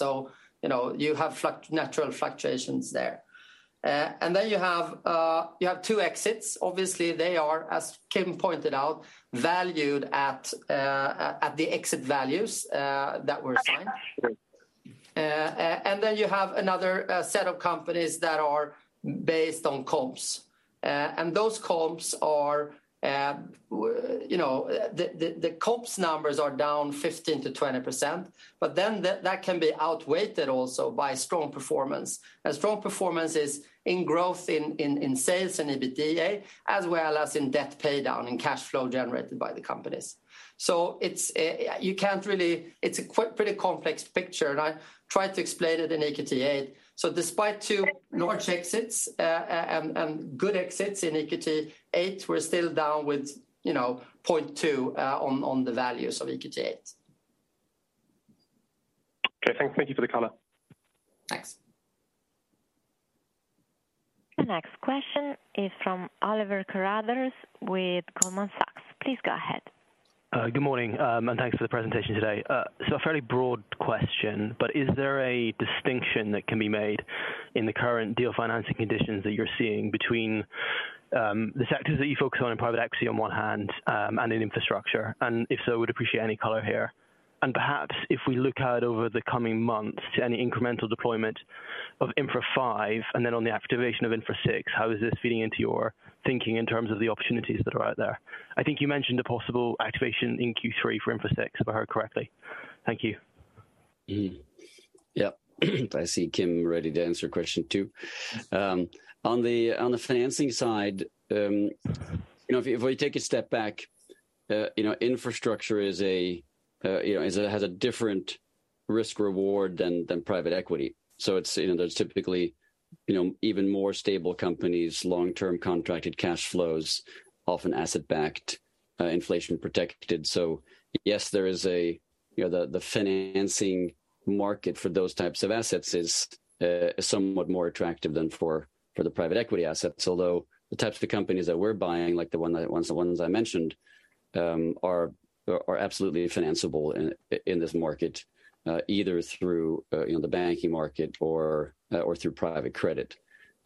You know, you have natural fluctuations there. And then you have two exits. Obviously, they are, as Kim pointed out, valued at the exit values that were signed. You have another set of companies that are based on comps. Those comps are, you know, the comps numbers are down 15%-20%, but then that can be outweighed also by strong performance. Strong performance is in growth in sales and EBITDA, as well as in debt pay down and cash flow generated by the companies. It's you can't really. It's a pretty complex picture, and I tried to explain it in EQT VIII. Despite two large exits, good exits in EQT VIII, we're still down with, you know, 0.2 on the values of EQT VIII. Okay, thank you for the color. Thanks. The next question is from Oliver Carruthers with Goldman Sachs. Please go ahead. Good morning, and thanks for the presentation today. A fairly broad question, but is there a distinction that can be made in the current deal financing conditions that you're seeing between the sectors that you focus on in private equity on one hand, and in infrastructure? If so, I would appreciate any color here. Perhaps if we look out over the coming months to any incremental deployment of Infra V and then on the activation of Infra VI, how is this feeding into your thinking in terms of the opportunities that are out there? I think you mentioned a possible activation in Q3 for Infra VI, if I heard correctly. Thank you. Mm-hmm. Yep. I see Kim ready to answer question two. On the financing side, you know, if we take a step back, you know, infrastructure has a different risk reward than private equity. It's, you know, there are typically even more stable companies, long-term contracted cash flows, often asset-backed, inflation protected. Yes, you know, the financing market for those types of assets is somewhat more attractive than for the private equity assets. Although the types of companies that we're buying, like the ones I mentioned, are absolutely financeable in this market, either through, you know, the banking market or through private credit.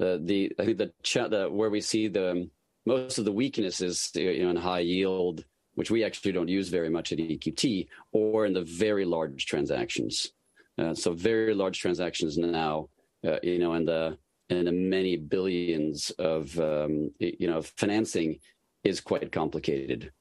I think where we see the most of the weaknesses, you know, in high yield, which we actually don't use very much at EQT, or in the very large transactions. Very large transactions now, you know, in the many billions of EUR in financing is quite complicated.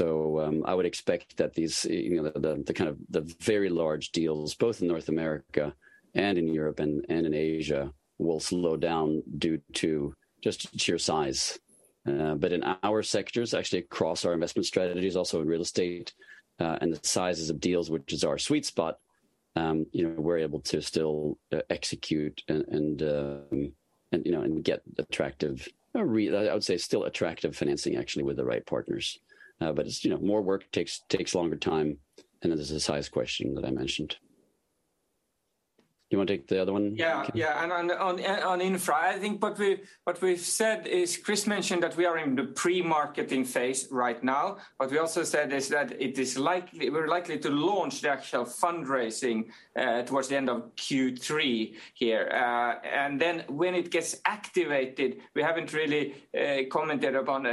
I would expect that these, you know, the kind of the very large deals, both in North America and in Europe and in Asia, will slow down due to just sheer size. In our sectors, actually across our investment strategies, also in real estate, and the sizes of deals which is our sweet spot, you know, we're able to still execute and, you know, and get attractive, I would say still attractive financing actually with the right partners. It's, you know, more work, takes longer time, and it is a size question that I mentioned. Do you wanna take the other one? Yeah. Yeah. On Infra, I think what we've said is Chris mentioned that we are in the pre-marketing phase right now. What we also said is that it is likely to launch the actual fundraising towards the end of Q3 here. When it gets activated, we haven't really commented upon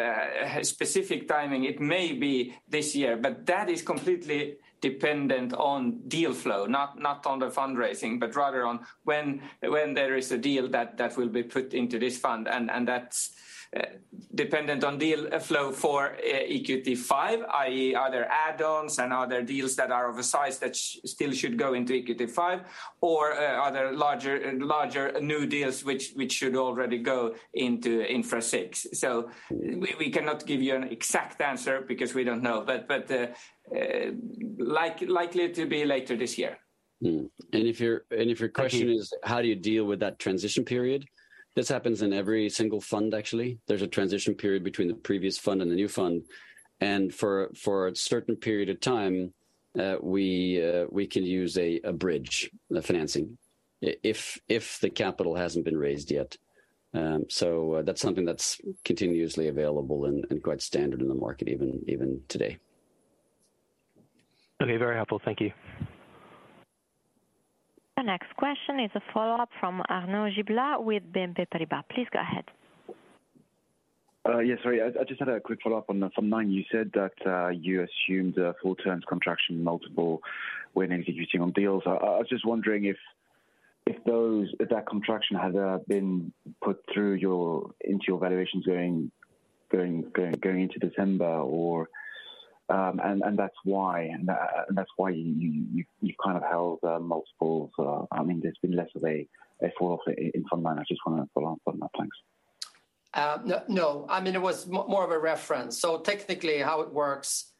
specific timing. It may be this year, but that is completely dependent on deal flow, not on the fundraising, but rather on when there is a deal that will be put into this fund and that's dependent on deal flow for EQT V, i.e. Are there add-ons and are there deals that are of a size that still should go into EQT V or are there larger new deals which should already go into Infra VI. We cannot give you an exact answer because we don't know. Likely to be later this year. If your question is how do you deal with that transition period, this happens in every single fund, actually. There's a transition period between the previous fund and the new fund. For a certain period of time, we can use a bridge financing, if the capital hasn't been raised yet. That's something that's continuously available and quite standard in the market even today. Okay, very helpful. Thank you. The next question is a follow-up from Arnaud Giblat with BNP Paribas. Please go ahead. Yes, sorry. I just had a quick follow-up on the fund nine. You said that you assumed a full terms contraction multiple when executing on deals. I was just wondering if that contraction had been put into your valuations going into December or and that's why you kind of held multiples. I mean, there's been less of a fall off in fund nine. I just wanna follow up on that. Thanks. No. I mean, it was more of a reference. Technically how it works,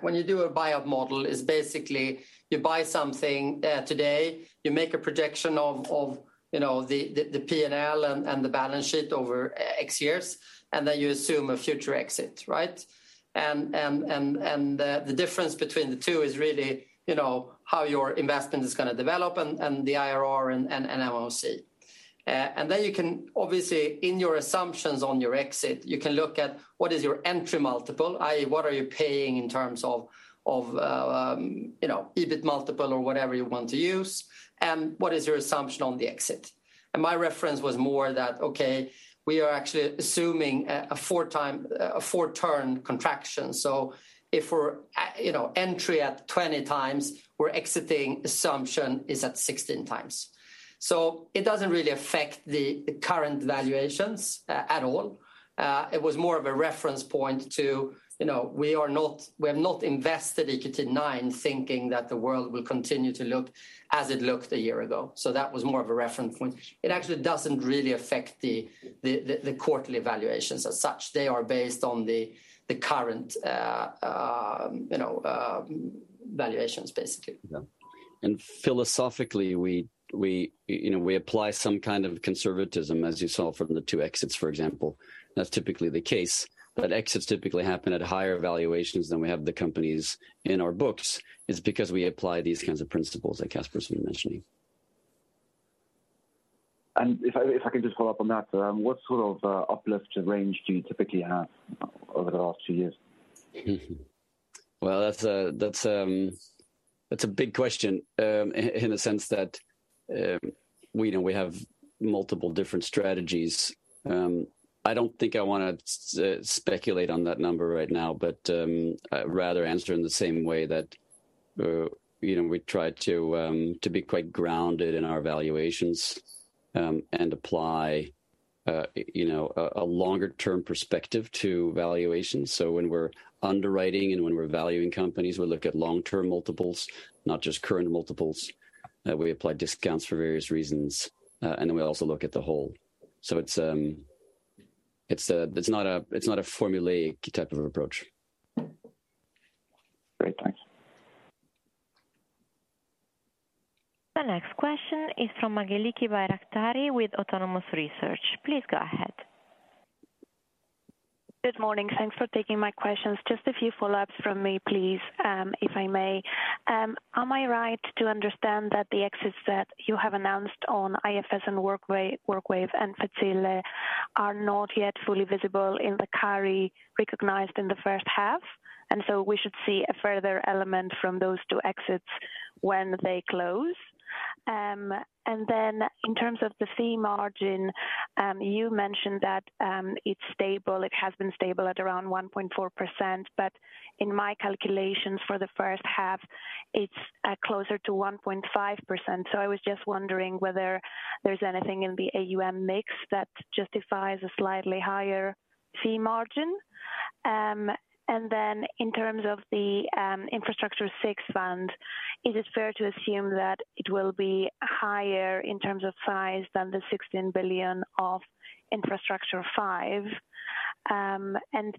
when you do a buyout model, is basically you buy something today, you make a projection of, you know, the P&L and the balance sheet over X years, and then you assume a future exit, right? The difference between the two is really, you know, how your investment is gonna develop and the IRR and MOIC. Then you can obviously, in your assumptions on your exit, you can look at what is your entry multiple, i.e. what are you paying in terms of, you know, EBIT multiple or whatever you want to use, and what is your assumption on the exit? My reference was more that, okay, we are actually assuming a four-turn contraction. If we're, you know, entry at 20x, our exit assumption is at 16x. It doesn't really affect the current valuations at all. It was more of a reference point to, you know, we have not invested EQT IX thinking that the world will continue to look as it looked a year ago. That was more of a reference point. It actually doesn't really affect the quarterly evaluations as such. They are based on the current, you know, valuations, basically. Yeah. Philosophically, we, you know, we apply some kind of conservatism, as you saw from the two exits, for example. That's typically the case, but exits typically happen at higher valuations than we have the companies in our books, is because we apply these kinds of principles that Caspar's been mentioning. If I could just follow up on that, what sort of uplift range do you typically have over the last two years? Well, that's a big question in the sense that we know we have multiple different strategies. I don't think I wanna speculate on that number right now, but I'd rather answer in the same way that you know we try to be quite grounded in our valuations and apply you know a longer-term perspective to valuations. When we're underwriting and when we're valuing companies, we look at long-term multiples, not just current multiples. We apply discounts for various reasons and then we also look at the whole. It's not a formulaic type of approach. Great. Thanks. The next question is from Angeliki Bairaktari with Autonomous Research. Please go ahead. Good morning. Thanks for taking my questions. Just a few follow-ups from me, please, if I may. Am I right to understand that the exits that you have announced on IFS and WorkWave and Facile.it are not yet fully visible in the carry recognized in the first half, and so we should see a further element from those two exits when they close? In terms of the fee margin, you mentioned that it's stable, it has been stable at around 1.4%, but in my calculations for the first half it's closer to 1.5%. I was just wondering whether there's anything in the AUM mix that justifies a slightly higher fee margin. In terms of the Infrastructure VI fund, is it fair to assume that it will be higher in terms of size than the 16 billion of Infrastructure V?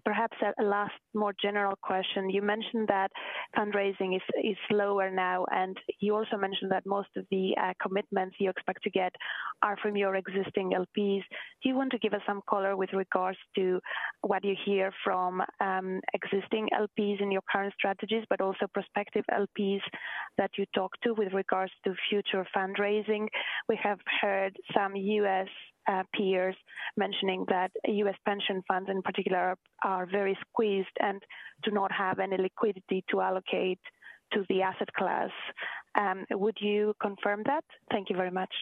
Perhaps a last more general question. You mentioned that fundraising is slower now, and you also mentioned that most of the commitments you expect to get are from your existing LPs. Do you want to give us some color with regards to what you hear from existing LPs in your current strategies, but also prospective LPs that you talk to with regards to future fundraising? We have heard some U.S. peers mentioning that U.S. pension funds in particular are very squeezed and do not have any liquidity to allocate to the asset class. Would you confirm that? Thank you very much.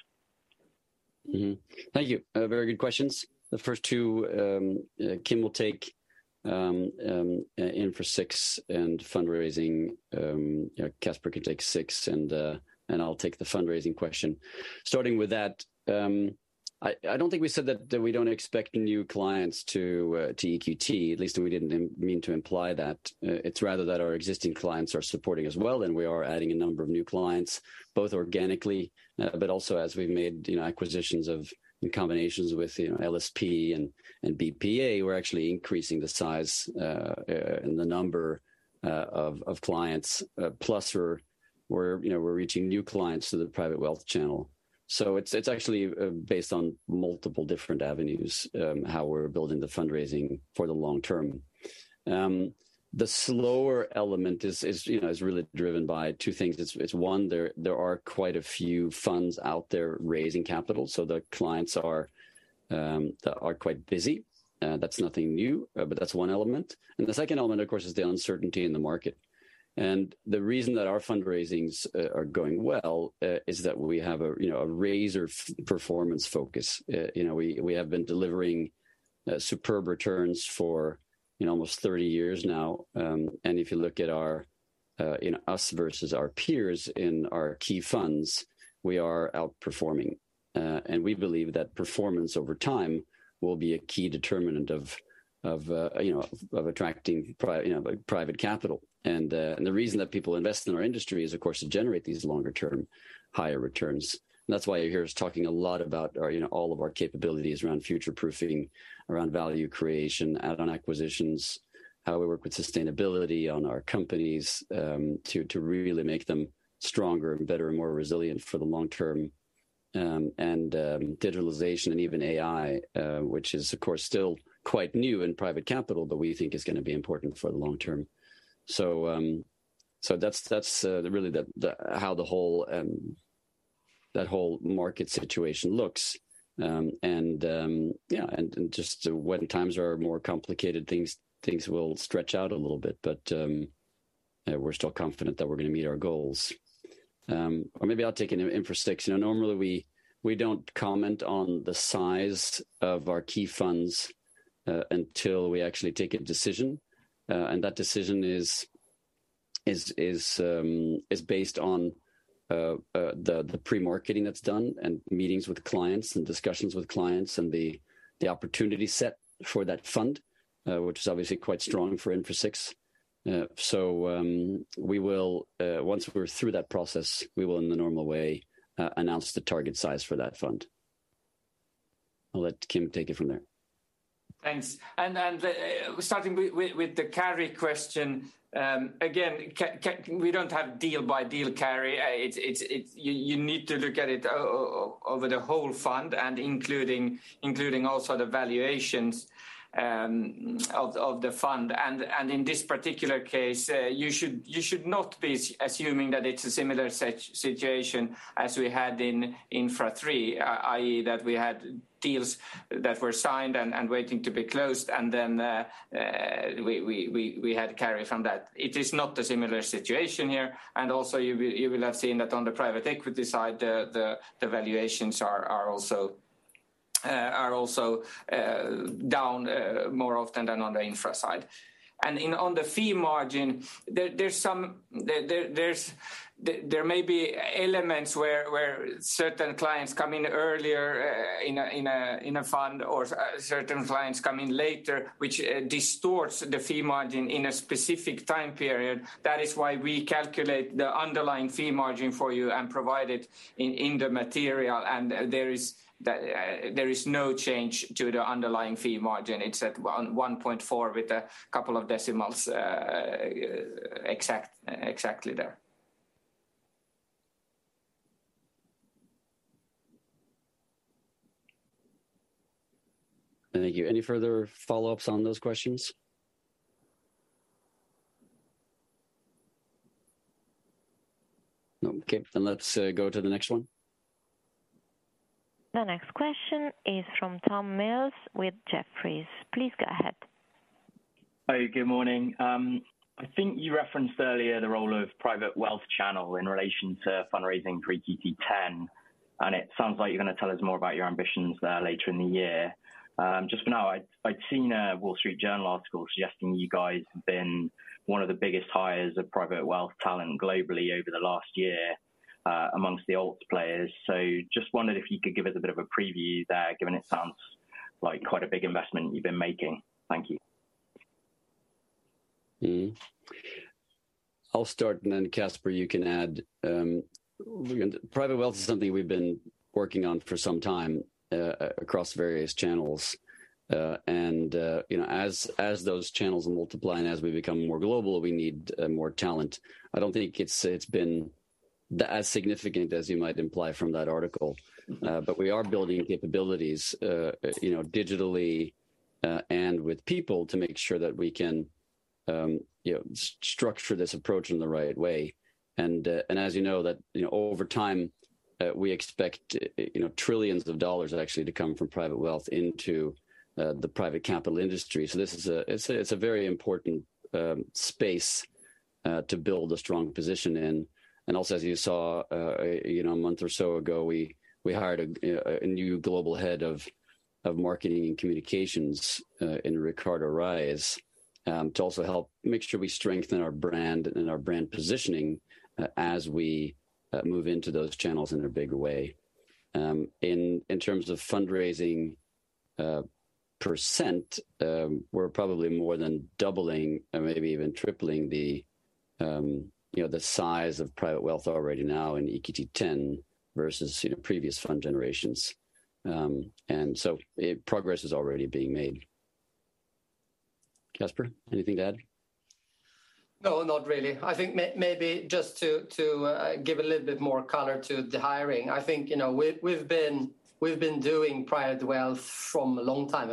Thank you. Very good questions. The first two, Kim will take, Infra VI and fundraising, Caspar can take VI and I'll take the fundraising question. Starting with that, I don't think we said that we don't expect new clients to EQT, at least we didn't mean to imply that. It's rather that our existing clients are supporting as well, and we are adding a number of new clients, both organically, but also as we've made, you know, acquisitions of combinations with, you know, LSP and BPEA, we're actually increasing the size and the number of clients. Plus we're reaching new clients through the private wealth channel. So it's actually based on multiple different avenues how we're building the fundraising for the long term. The slower element is, you know, really driven by two things. It's one, there are quite a few funds out there raising capital, so the clients are quite busy. That's nothing new, but that's one element. The second element, of course, is the uncertainty in the market. The reason that our fundraisings are going well is that we have a, you know, a razor-sharp performance focus. You know, we have been delivering superb returns for, you know, almost 30 years now. If you look at our, you know, us versus our peers in our key funds, we are outperforming. We believe that performance over time will be a key determinant of, you know, of attracting private capital. The reason that people invest in our industry is, of course, to generate these longer-term, higher returns. That's why you hear us talking a lot about our, you know, all of our capabilities around future-proofing, around value creation, on acquisitions, how we work with sustainability on our companies, to really make them stronger and better and more resilient for the long term. Digitalization and even AI, which is, of course, still quite new in private capital, but we think is gonna be important for the long term. That's really how the whole, that whole market situation looks. Just when times are more complicated, things will stretch out a little bit, but we're still confident that we're gonna meet our goals. Maybe I'll take Infra VI. You know, normally we don't comment on the size of our key funds until we actually take a decision. That decision is based on the pre-marketing that's done and meetings with clients and discussions with clients and the opportunity set for that fund, which is obviously quite strong for Infra VI. We will, once we're through that process, we will, in the normal way, announce the target size for that fund. I'll let Kim take it from there. Thanks. Starting with the carry question, again, we don't have deal by deal carry. It's... You need to look at it over the whole fund and including also the valuations of the fund. In this particular case, you should not be assuming that it's a similar situation as we had in Infra III, i.e., that we had deals that were signed and waiting to be closed and then we had carry from that. It is not a similar situation here. Also you will have seen that on the private equity side the valuations are also down more often than on the infra side. On the fee margin, there's some... There's... There may be elements where certain clients come in earlier in a fund or certain clients come in later, which distorts the fee margin in a specific time period. That is why we calculate the underlying fee margin for you and provide it in the material. There is no change to the underlying fee margin. It's at 1.4% with a couple of decimals exactly there. Thank you. Any further follow-ups on those questions? Okay. Let's go to the next one. The next question is from Tom Mills with Jefferies. Please go ahead. Hi. Good morning. I think you referenced earlier the role of private wealth channel in relation to fundraising for EQT X, and it sounds like you're gonna tell us more about your ambitions there later in the year. Just for now, I'd seen a Wall Street Journal article suggesting you guys have been one of the biggest hires of private wealth talent globally over the last year, among the alts players. Just wondered if you could give us a bit of a preview there, given it sounds like quite a big investment you've been making. Thank you. I'll start, and then Caspar, you can add. Private wealth is something we've been working on for some time across various channels. You know, as those channels multiply and as we become more global, we need more talent. I don't think it's been as significant as you might imply from that article. But we are building capabilities, you know, digitally, and with people to make sure that we can, you know, structure this approach in the right way. As you know, that, you know, over time, we expect, you know, trillions of dollars actually to come from private wealth into the private capital industry. This is a. It's a very important space to build a strong position in. As you saw, you know, a month or so ago, we hired a new global head of marketing and communications in Ricardo Reyes to also help make sure we strengthen our brand and our brand positioning as we move into those channels in a bigger way. In terms of fundraising, percent, we're probably more than doubling or maybe even tripling the, you know, the size of private wealth already now in EQT X versus, you know, previous fund generations. Progress is already being made. Caspar, anything to add? No, not really. I think maybe just to give a little bit more color to the hiring. I think, you know, we've been doing private wealth for a long time,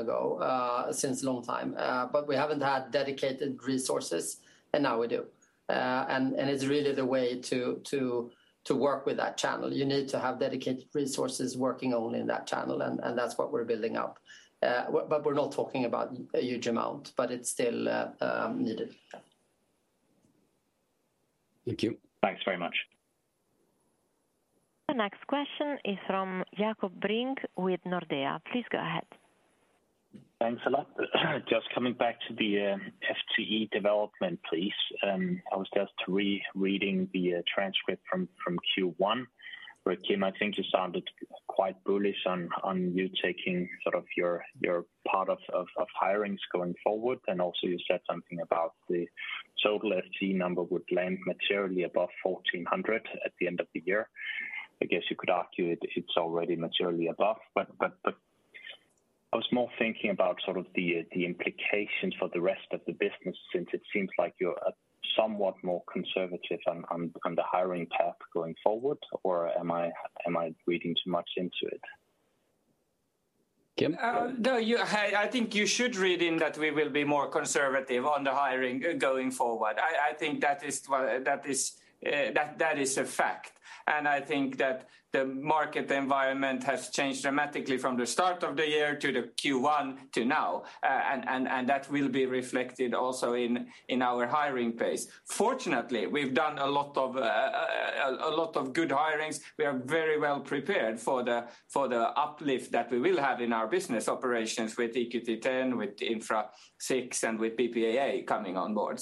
but we haven't had dedicated resources, and now we do. It's really the way to work with that channel. You need to have dedicated resources working only in that channel, and that's what we're building up. We're not talking about a huge amount, but it's still needed. Thank you. Thanks very much. The next question is from Jakob Brink with Nordea. Please go ahead. Thanks a lot. Just coming back to the FTE development, please. I was just re-reading the transcript from Q1 where Kim, I think you sounded quite bullish on you taking sort of your part of hirings going forward. Also you said something about the total FTE number would land materially above 1,400 at the end of the year. I guess you could argue it's already materially above, but I was more thinking about sort of the implications for the rest of the business since it seems like you're somewhat more conservative on the hiring path going forward, or am I reading too much into it? Kim? No, I think you should read in that we will be more conservative on the hiring going forward. I think that is a fact. I think that the market environment has changed dramatically from the start of the year to the Q1 to now. That will be reflected also in our hiring pace. Fortunately, we've done a lot of good hirings. We are very well prepared for the uplift that we will have in our business operations with EQT X, with Infra VI, and with BPEA coming on board.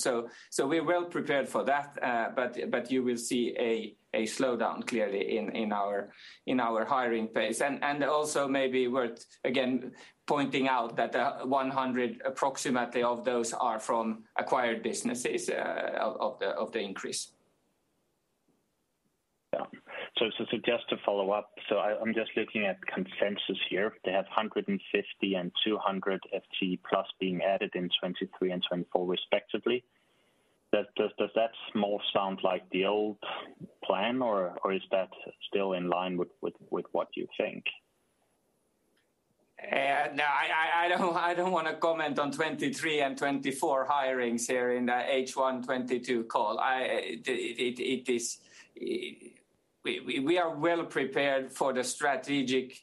We're well prepared for that. You will see a slowdown clearly in our hiring pace. Also, maybe worth, again, pointing out that approximately 100 of those are from acquired businesses of the increase. Yeah. Just to follow up, I'm just looking at consensus here. They have 150 and 200 FTE plus being added in 2023 and 2024 respectively. Does that more sound like the old plan or is that still in line with what you think? No, I don't wanna comment on 2023 and 2024 hirings here in the H1 2022 call. We are well prepared for the strategic,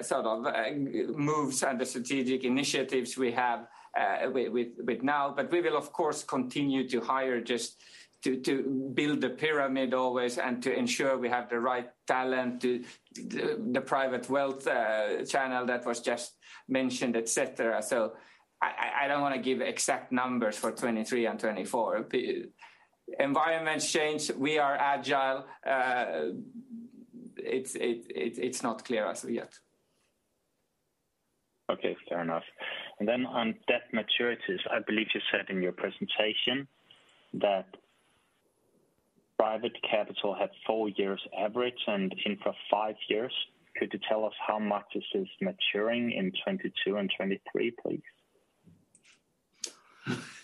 sort of, moves and the strategic initiatives we have with now. We will of course continue to hire just to build the pyramid always and to ensure we have the right talent to the private wealth channel that was just mentioned, et cetera. I don't wanna give exact numbers for 2023 and 2024. The environments change, we are agile. It's not clear as of yet. Okay. Fair enough. On debt maturities, I believe you said in your presentation that private capital had four years average and infra five years. Could you tell us how much this is maturing in 2022 and 2023, please?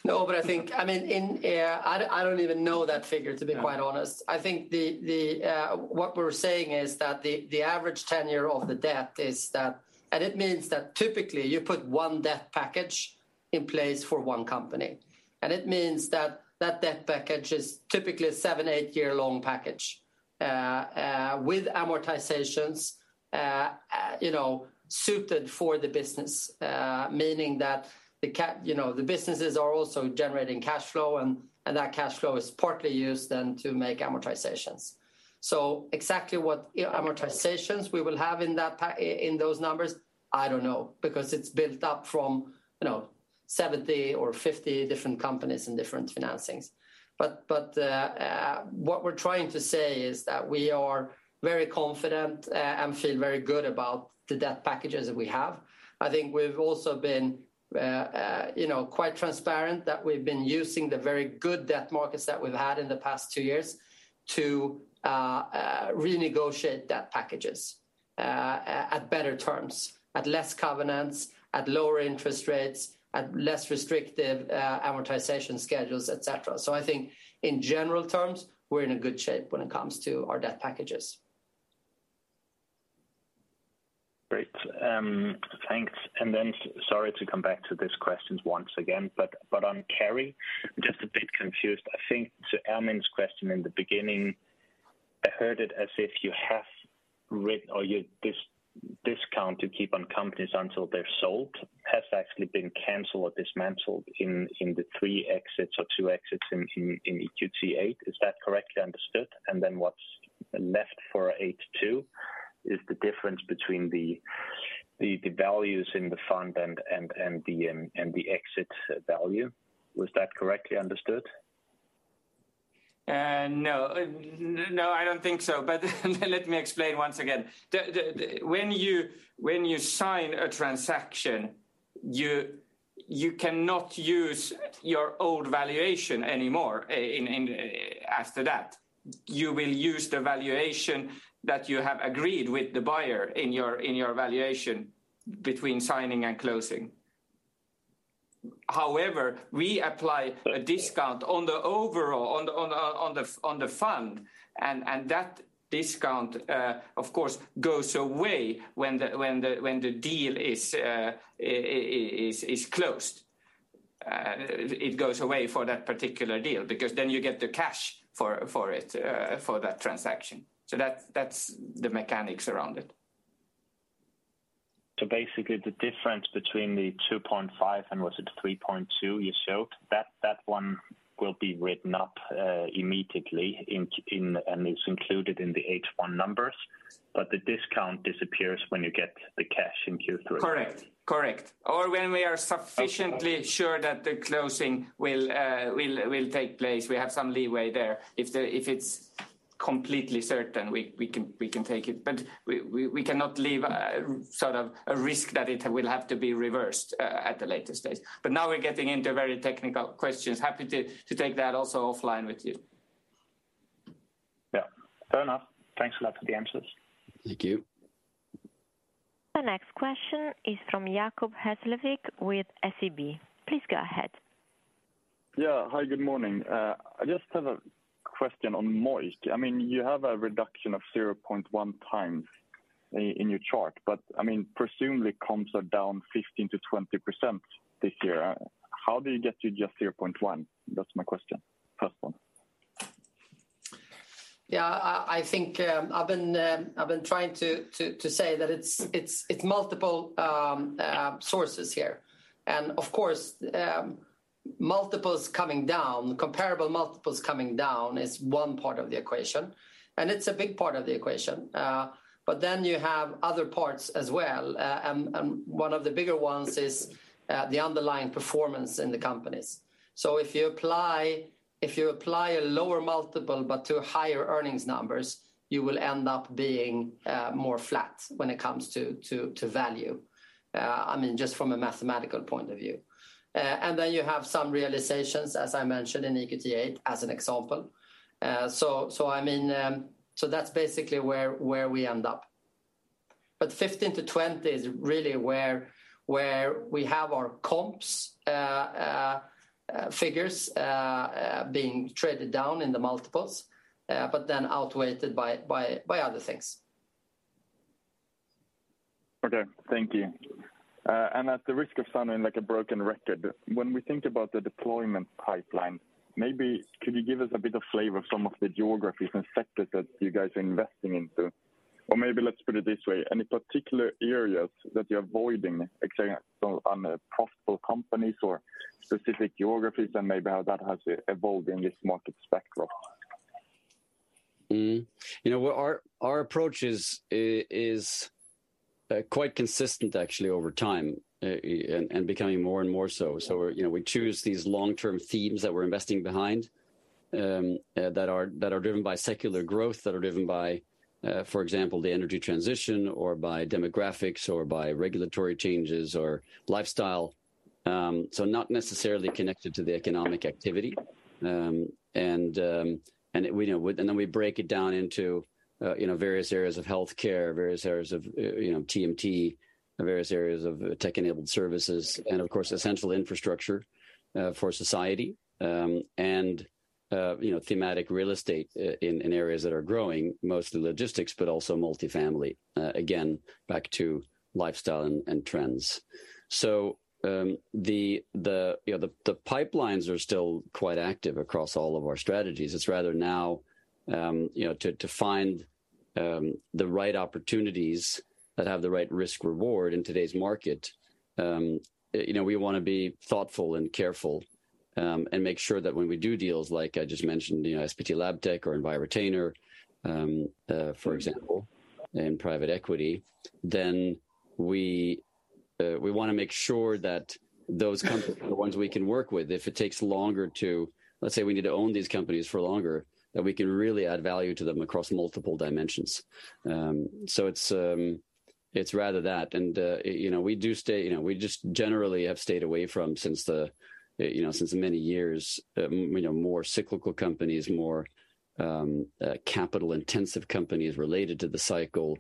No, I think I mean, in, I don't even know that figure, to be quite honest. Yeah. I think what we're saying is that the average tenure of the debt is that. It means that typically you put one debt package in place for one company, and it means that that debt package is typically a seven to eight-year long package, with amortizations, you know, suited for the business, meaning that you know, the businesses are also generating cash flow and that cash flow is partly used then to make amortizations. Exactly what amortizations we will have in those numbers, I don't know because it's built up from, you know, 70 or 50 different companies and different financings. What we're trying to say is that we are very confident and feel very good about the debt packages that we have. I think we've also been, you know, quite transparent that we've been using the very good debt markets that we've had in the past two years to renegotiate debt packages at better terms, at less covenants, at lower interest rates, at less restrictive amortization schedules, et cetera. I think in general terms, we're in a good shape when it comes to our debt packages. Great. Thanks. Sorry to come back to these questions once again, but on carry, just a bit confused. I think to Armin's question in the beginning, I heard it as if you have or your discount to keep on companies until they're sold has actually been canceled or dismantled in EQT VIII. Is that correctly understood? What's left for H2 is the difference between the values in the fund and the exit value. Was that correctly understood? No, I don't think so, but let me explain once again. When you sign a transaction, you cannot use your old valuation anymore in after that. You will use the valuation that you have agreed with the buyer in your valuation between signing and closing. However, we apply a discount on the overall on the fund and that discount, of course, goes away when the deal is closed. It goes away for that particular deal because then you get the cash for it for that transaction. That's the mechanics around it. Basically the difference between 2.5 and was it 3.2 you showed, that one will be written up immediately and it's included in the H1 numbers, but the discount disappears when you get the cash in Q3. Correct. When we are sufficiently sure that the closing will take place. We have some leeway there. If it's completely certain, we can take it. We cannot leave sort of a risk that it will have to be reversed at the later stage. Now we're getting into very technical questions. Happy to take that also offline with you. Yeah. Fair enough. Thanks a lot for the answers. Thank you. The next question is from Jacob Hesslevik with SEB. Please go ahead. Hi, good morning. I just have a question on MOIC. I mean, you have a reduction of 0.1x in your chart, but I mean, presumably comps are down 15%-20% this year. How do you get to just 0.1? That's my question. First one. Yeah. I think I've been trying to say that it's multiple sources here. Of course, Multiples coming down, comparable multiples coming down is one part of the equation, and it's a big part of the equation. You have other parts as well. One of the bigger ones is the underlying performance in the companies. If you apply a lower multiple but to higher earnings numbers, you will end up being more flat when it comes to value. I mean, just from a mathematical point of view. You have some realizations, as I mentioned in EQT VIII, as an example. I mean, that's basically where we end up. 15-20 is really where we have our comps figures being traded down in the multiples, but then outweighed by other things. Okay, thank you. At the risk of sounding like a broken record, when we think about the deployment pipeline, maybe could you give us a bit of flavor of some of the geographies and sectors that you guys are investing into? Or maybe let's put it this way, any particular areas that you're avoiding, actually, on the profitable companies or specific geographies and maybe how that has evolved in this market spectrum? Mm-hmm. You know what? Our approach is quite consistent actually over time, and becoming more and more so. You know, we choose these long-term themes that we're investing behind, that are driven by secular growth, driven by, for example, the energy transition or by demographics or by regulatory changes or lifestyle. Not necessarily connected to the economic activity. You know, we break it down into, you know, various areas of healthcare, various areas of, you know, TMT, various areas of tech-enabled services, and of course, essential infrastructure for society. You know, thematic real estate in areas that are growing, mostly logistics, but also multifamily, again, back to lifestyle and trends. You know, the pipelines are still quite active across all of our strategies. It's rather now to find the right opportunities that have the right risk-reward in today's market. You know, we wanna be thoughtful and careful, and make sure that when we do deals, like I just mentioned, you know, SPT Labtech or Envirotainer, for example, in private equity, then we wanna make sure that those companies are the ones we can work with. If it takes longer, let's say we need to own these companies for longer, that we can really add value to them across multiple dimensions. It's rather that. You know, we do stay, you know, we just generally have stayed away from since many years, you know, more cyclical companies, capital intensive companies related to the cycle,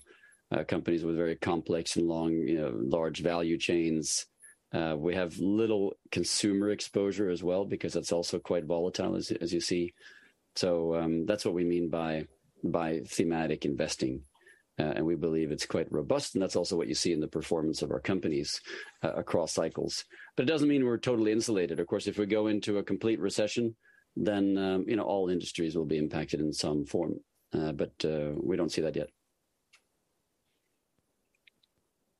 companies with very complex and long, you know, large value chains. We have little consumer exposure as well because that's also quite volatile, as you see. That's what we mean by thematic investing. We believe it's quite robust, and that's also what you see in the performance of our companies across cycles. It doesn't mean we're totally insulated. Of course, if we go into a complete recession, you know, all industries will be impacted in some form. We don't see that yet.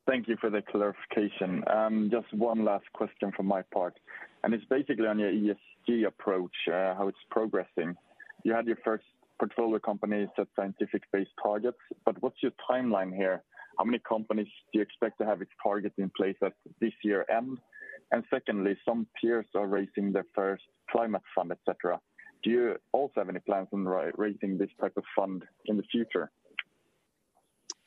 Thank you for the clarification. Just one last question from my part, and it's basically on your ESG approach, how it's progressing. You had your first portfolio companies set science-based targets, but what's your timeline here? How many companies do you expect to have its targets in place at this year end? Secondly, some peers are raising their first climate fund, et cetera. Do you also have any plans on raising this type of fund in the future?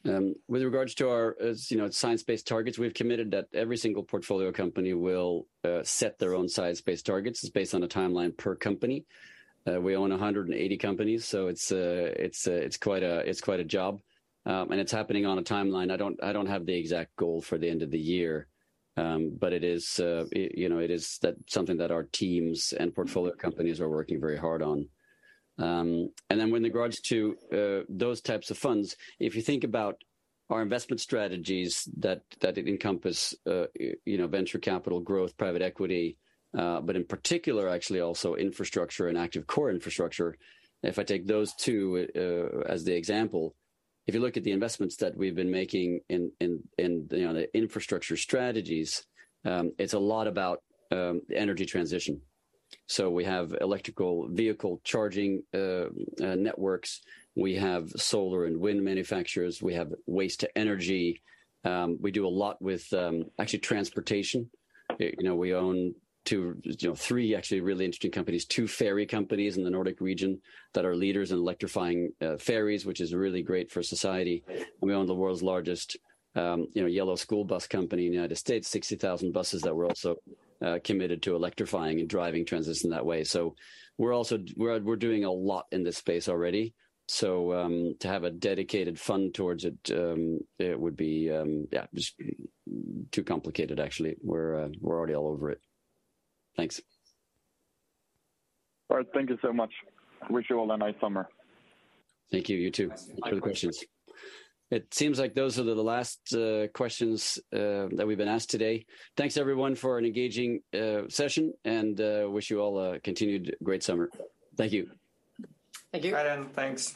With regards to our, as you know, science-based targets, we've committed that every single portfolio company will set their own science-based targets. It's based on a timeline per company. We own 180 companies, so it's quite a job. It's happening on a timeline. I don't have the exact goal for the end of the year. It is, you know, that something that our teams and portfolio companies are working very hard on. With regards to those types of funds, if you think about our investment strategies that encompass you know, venture capital growth, private equity, but in particular actually also infrastructure and active core infrastructure, and if I take those two as the example, if you look at the investments that we've been making in you know, the infrastructure strategies, it's a lot about energy transition. We have electric vehicle charging networks. We have solar and wind manufacturers. We have waste to energy. We do a lot with actually transportation. You know, we own two you know, three actually really interesting companies. Two ferry companies in the Nordic region that are leaders in electrifying ferries, which is really great for society. We own the world's largest yellow school bus company in the United States, 60,000 buses that we're also committed to electrifying and driving transitions that way. We're doing a lot in this space already. To have a dedicated fund towards it would be just too complicated actually. We're already all over it. Thanks. All right. Thank you so much. Wish you all a nice summer. Thank you. You too. Thanks. Good questions. It seems like those are the last questions that we've been asked today. Thanks everyone for an engaging session and wish you all a continued great summer. Thank you. Thank you. Bye then. Thanks.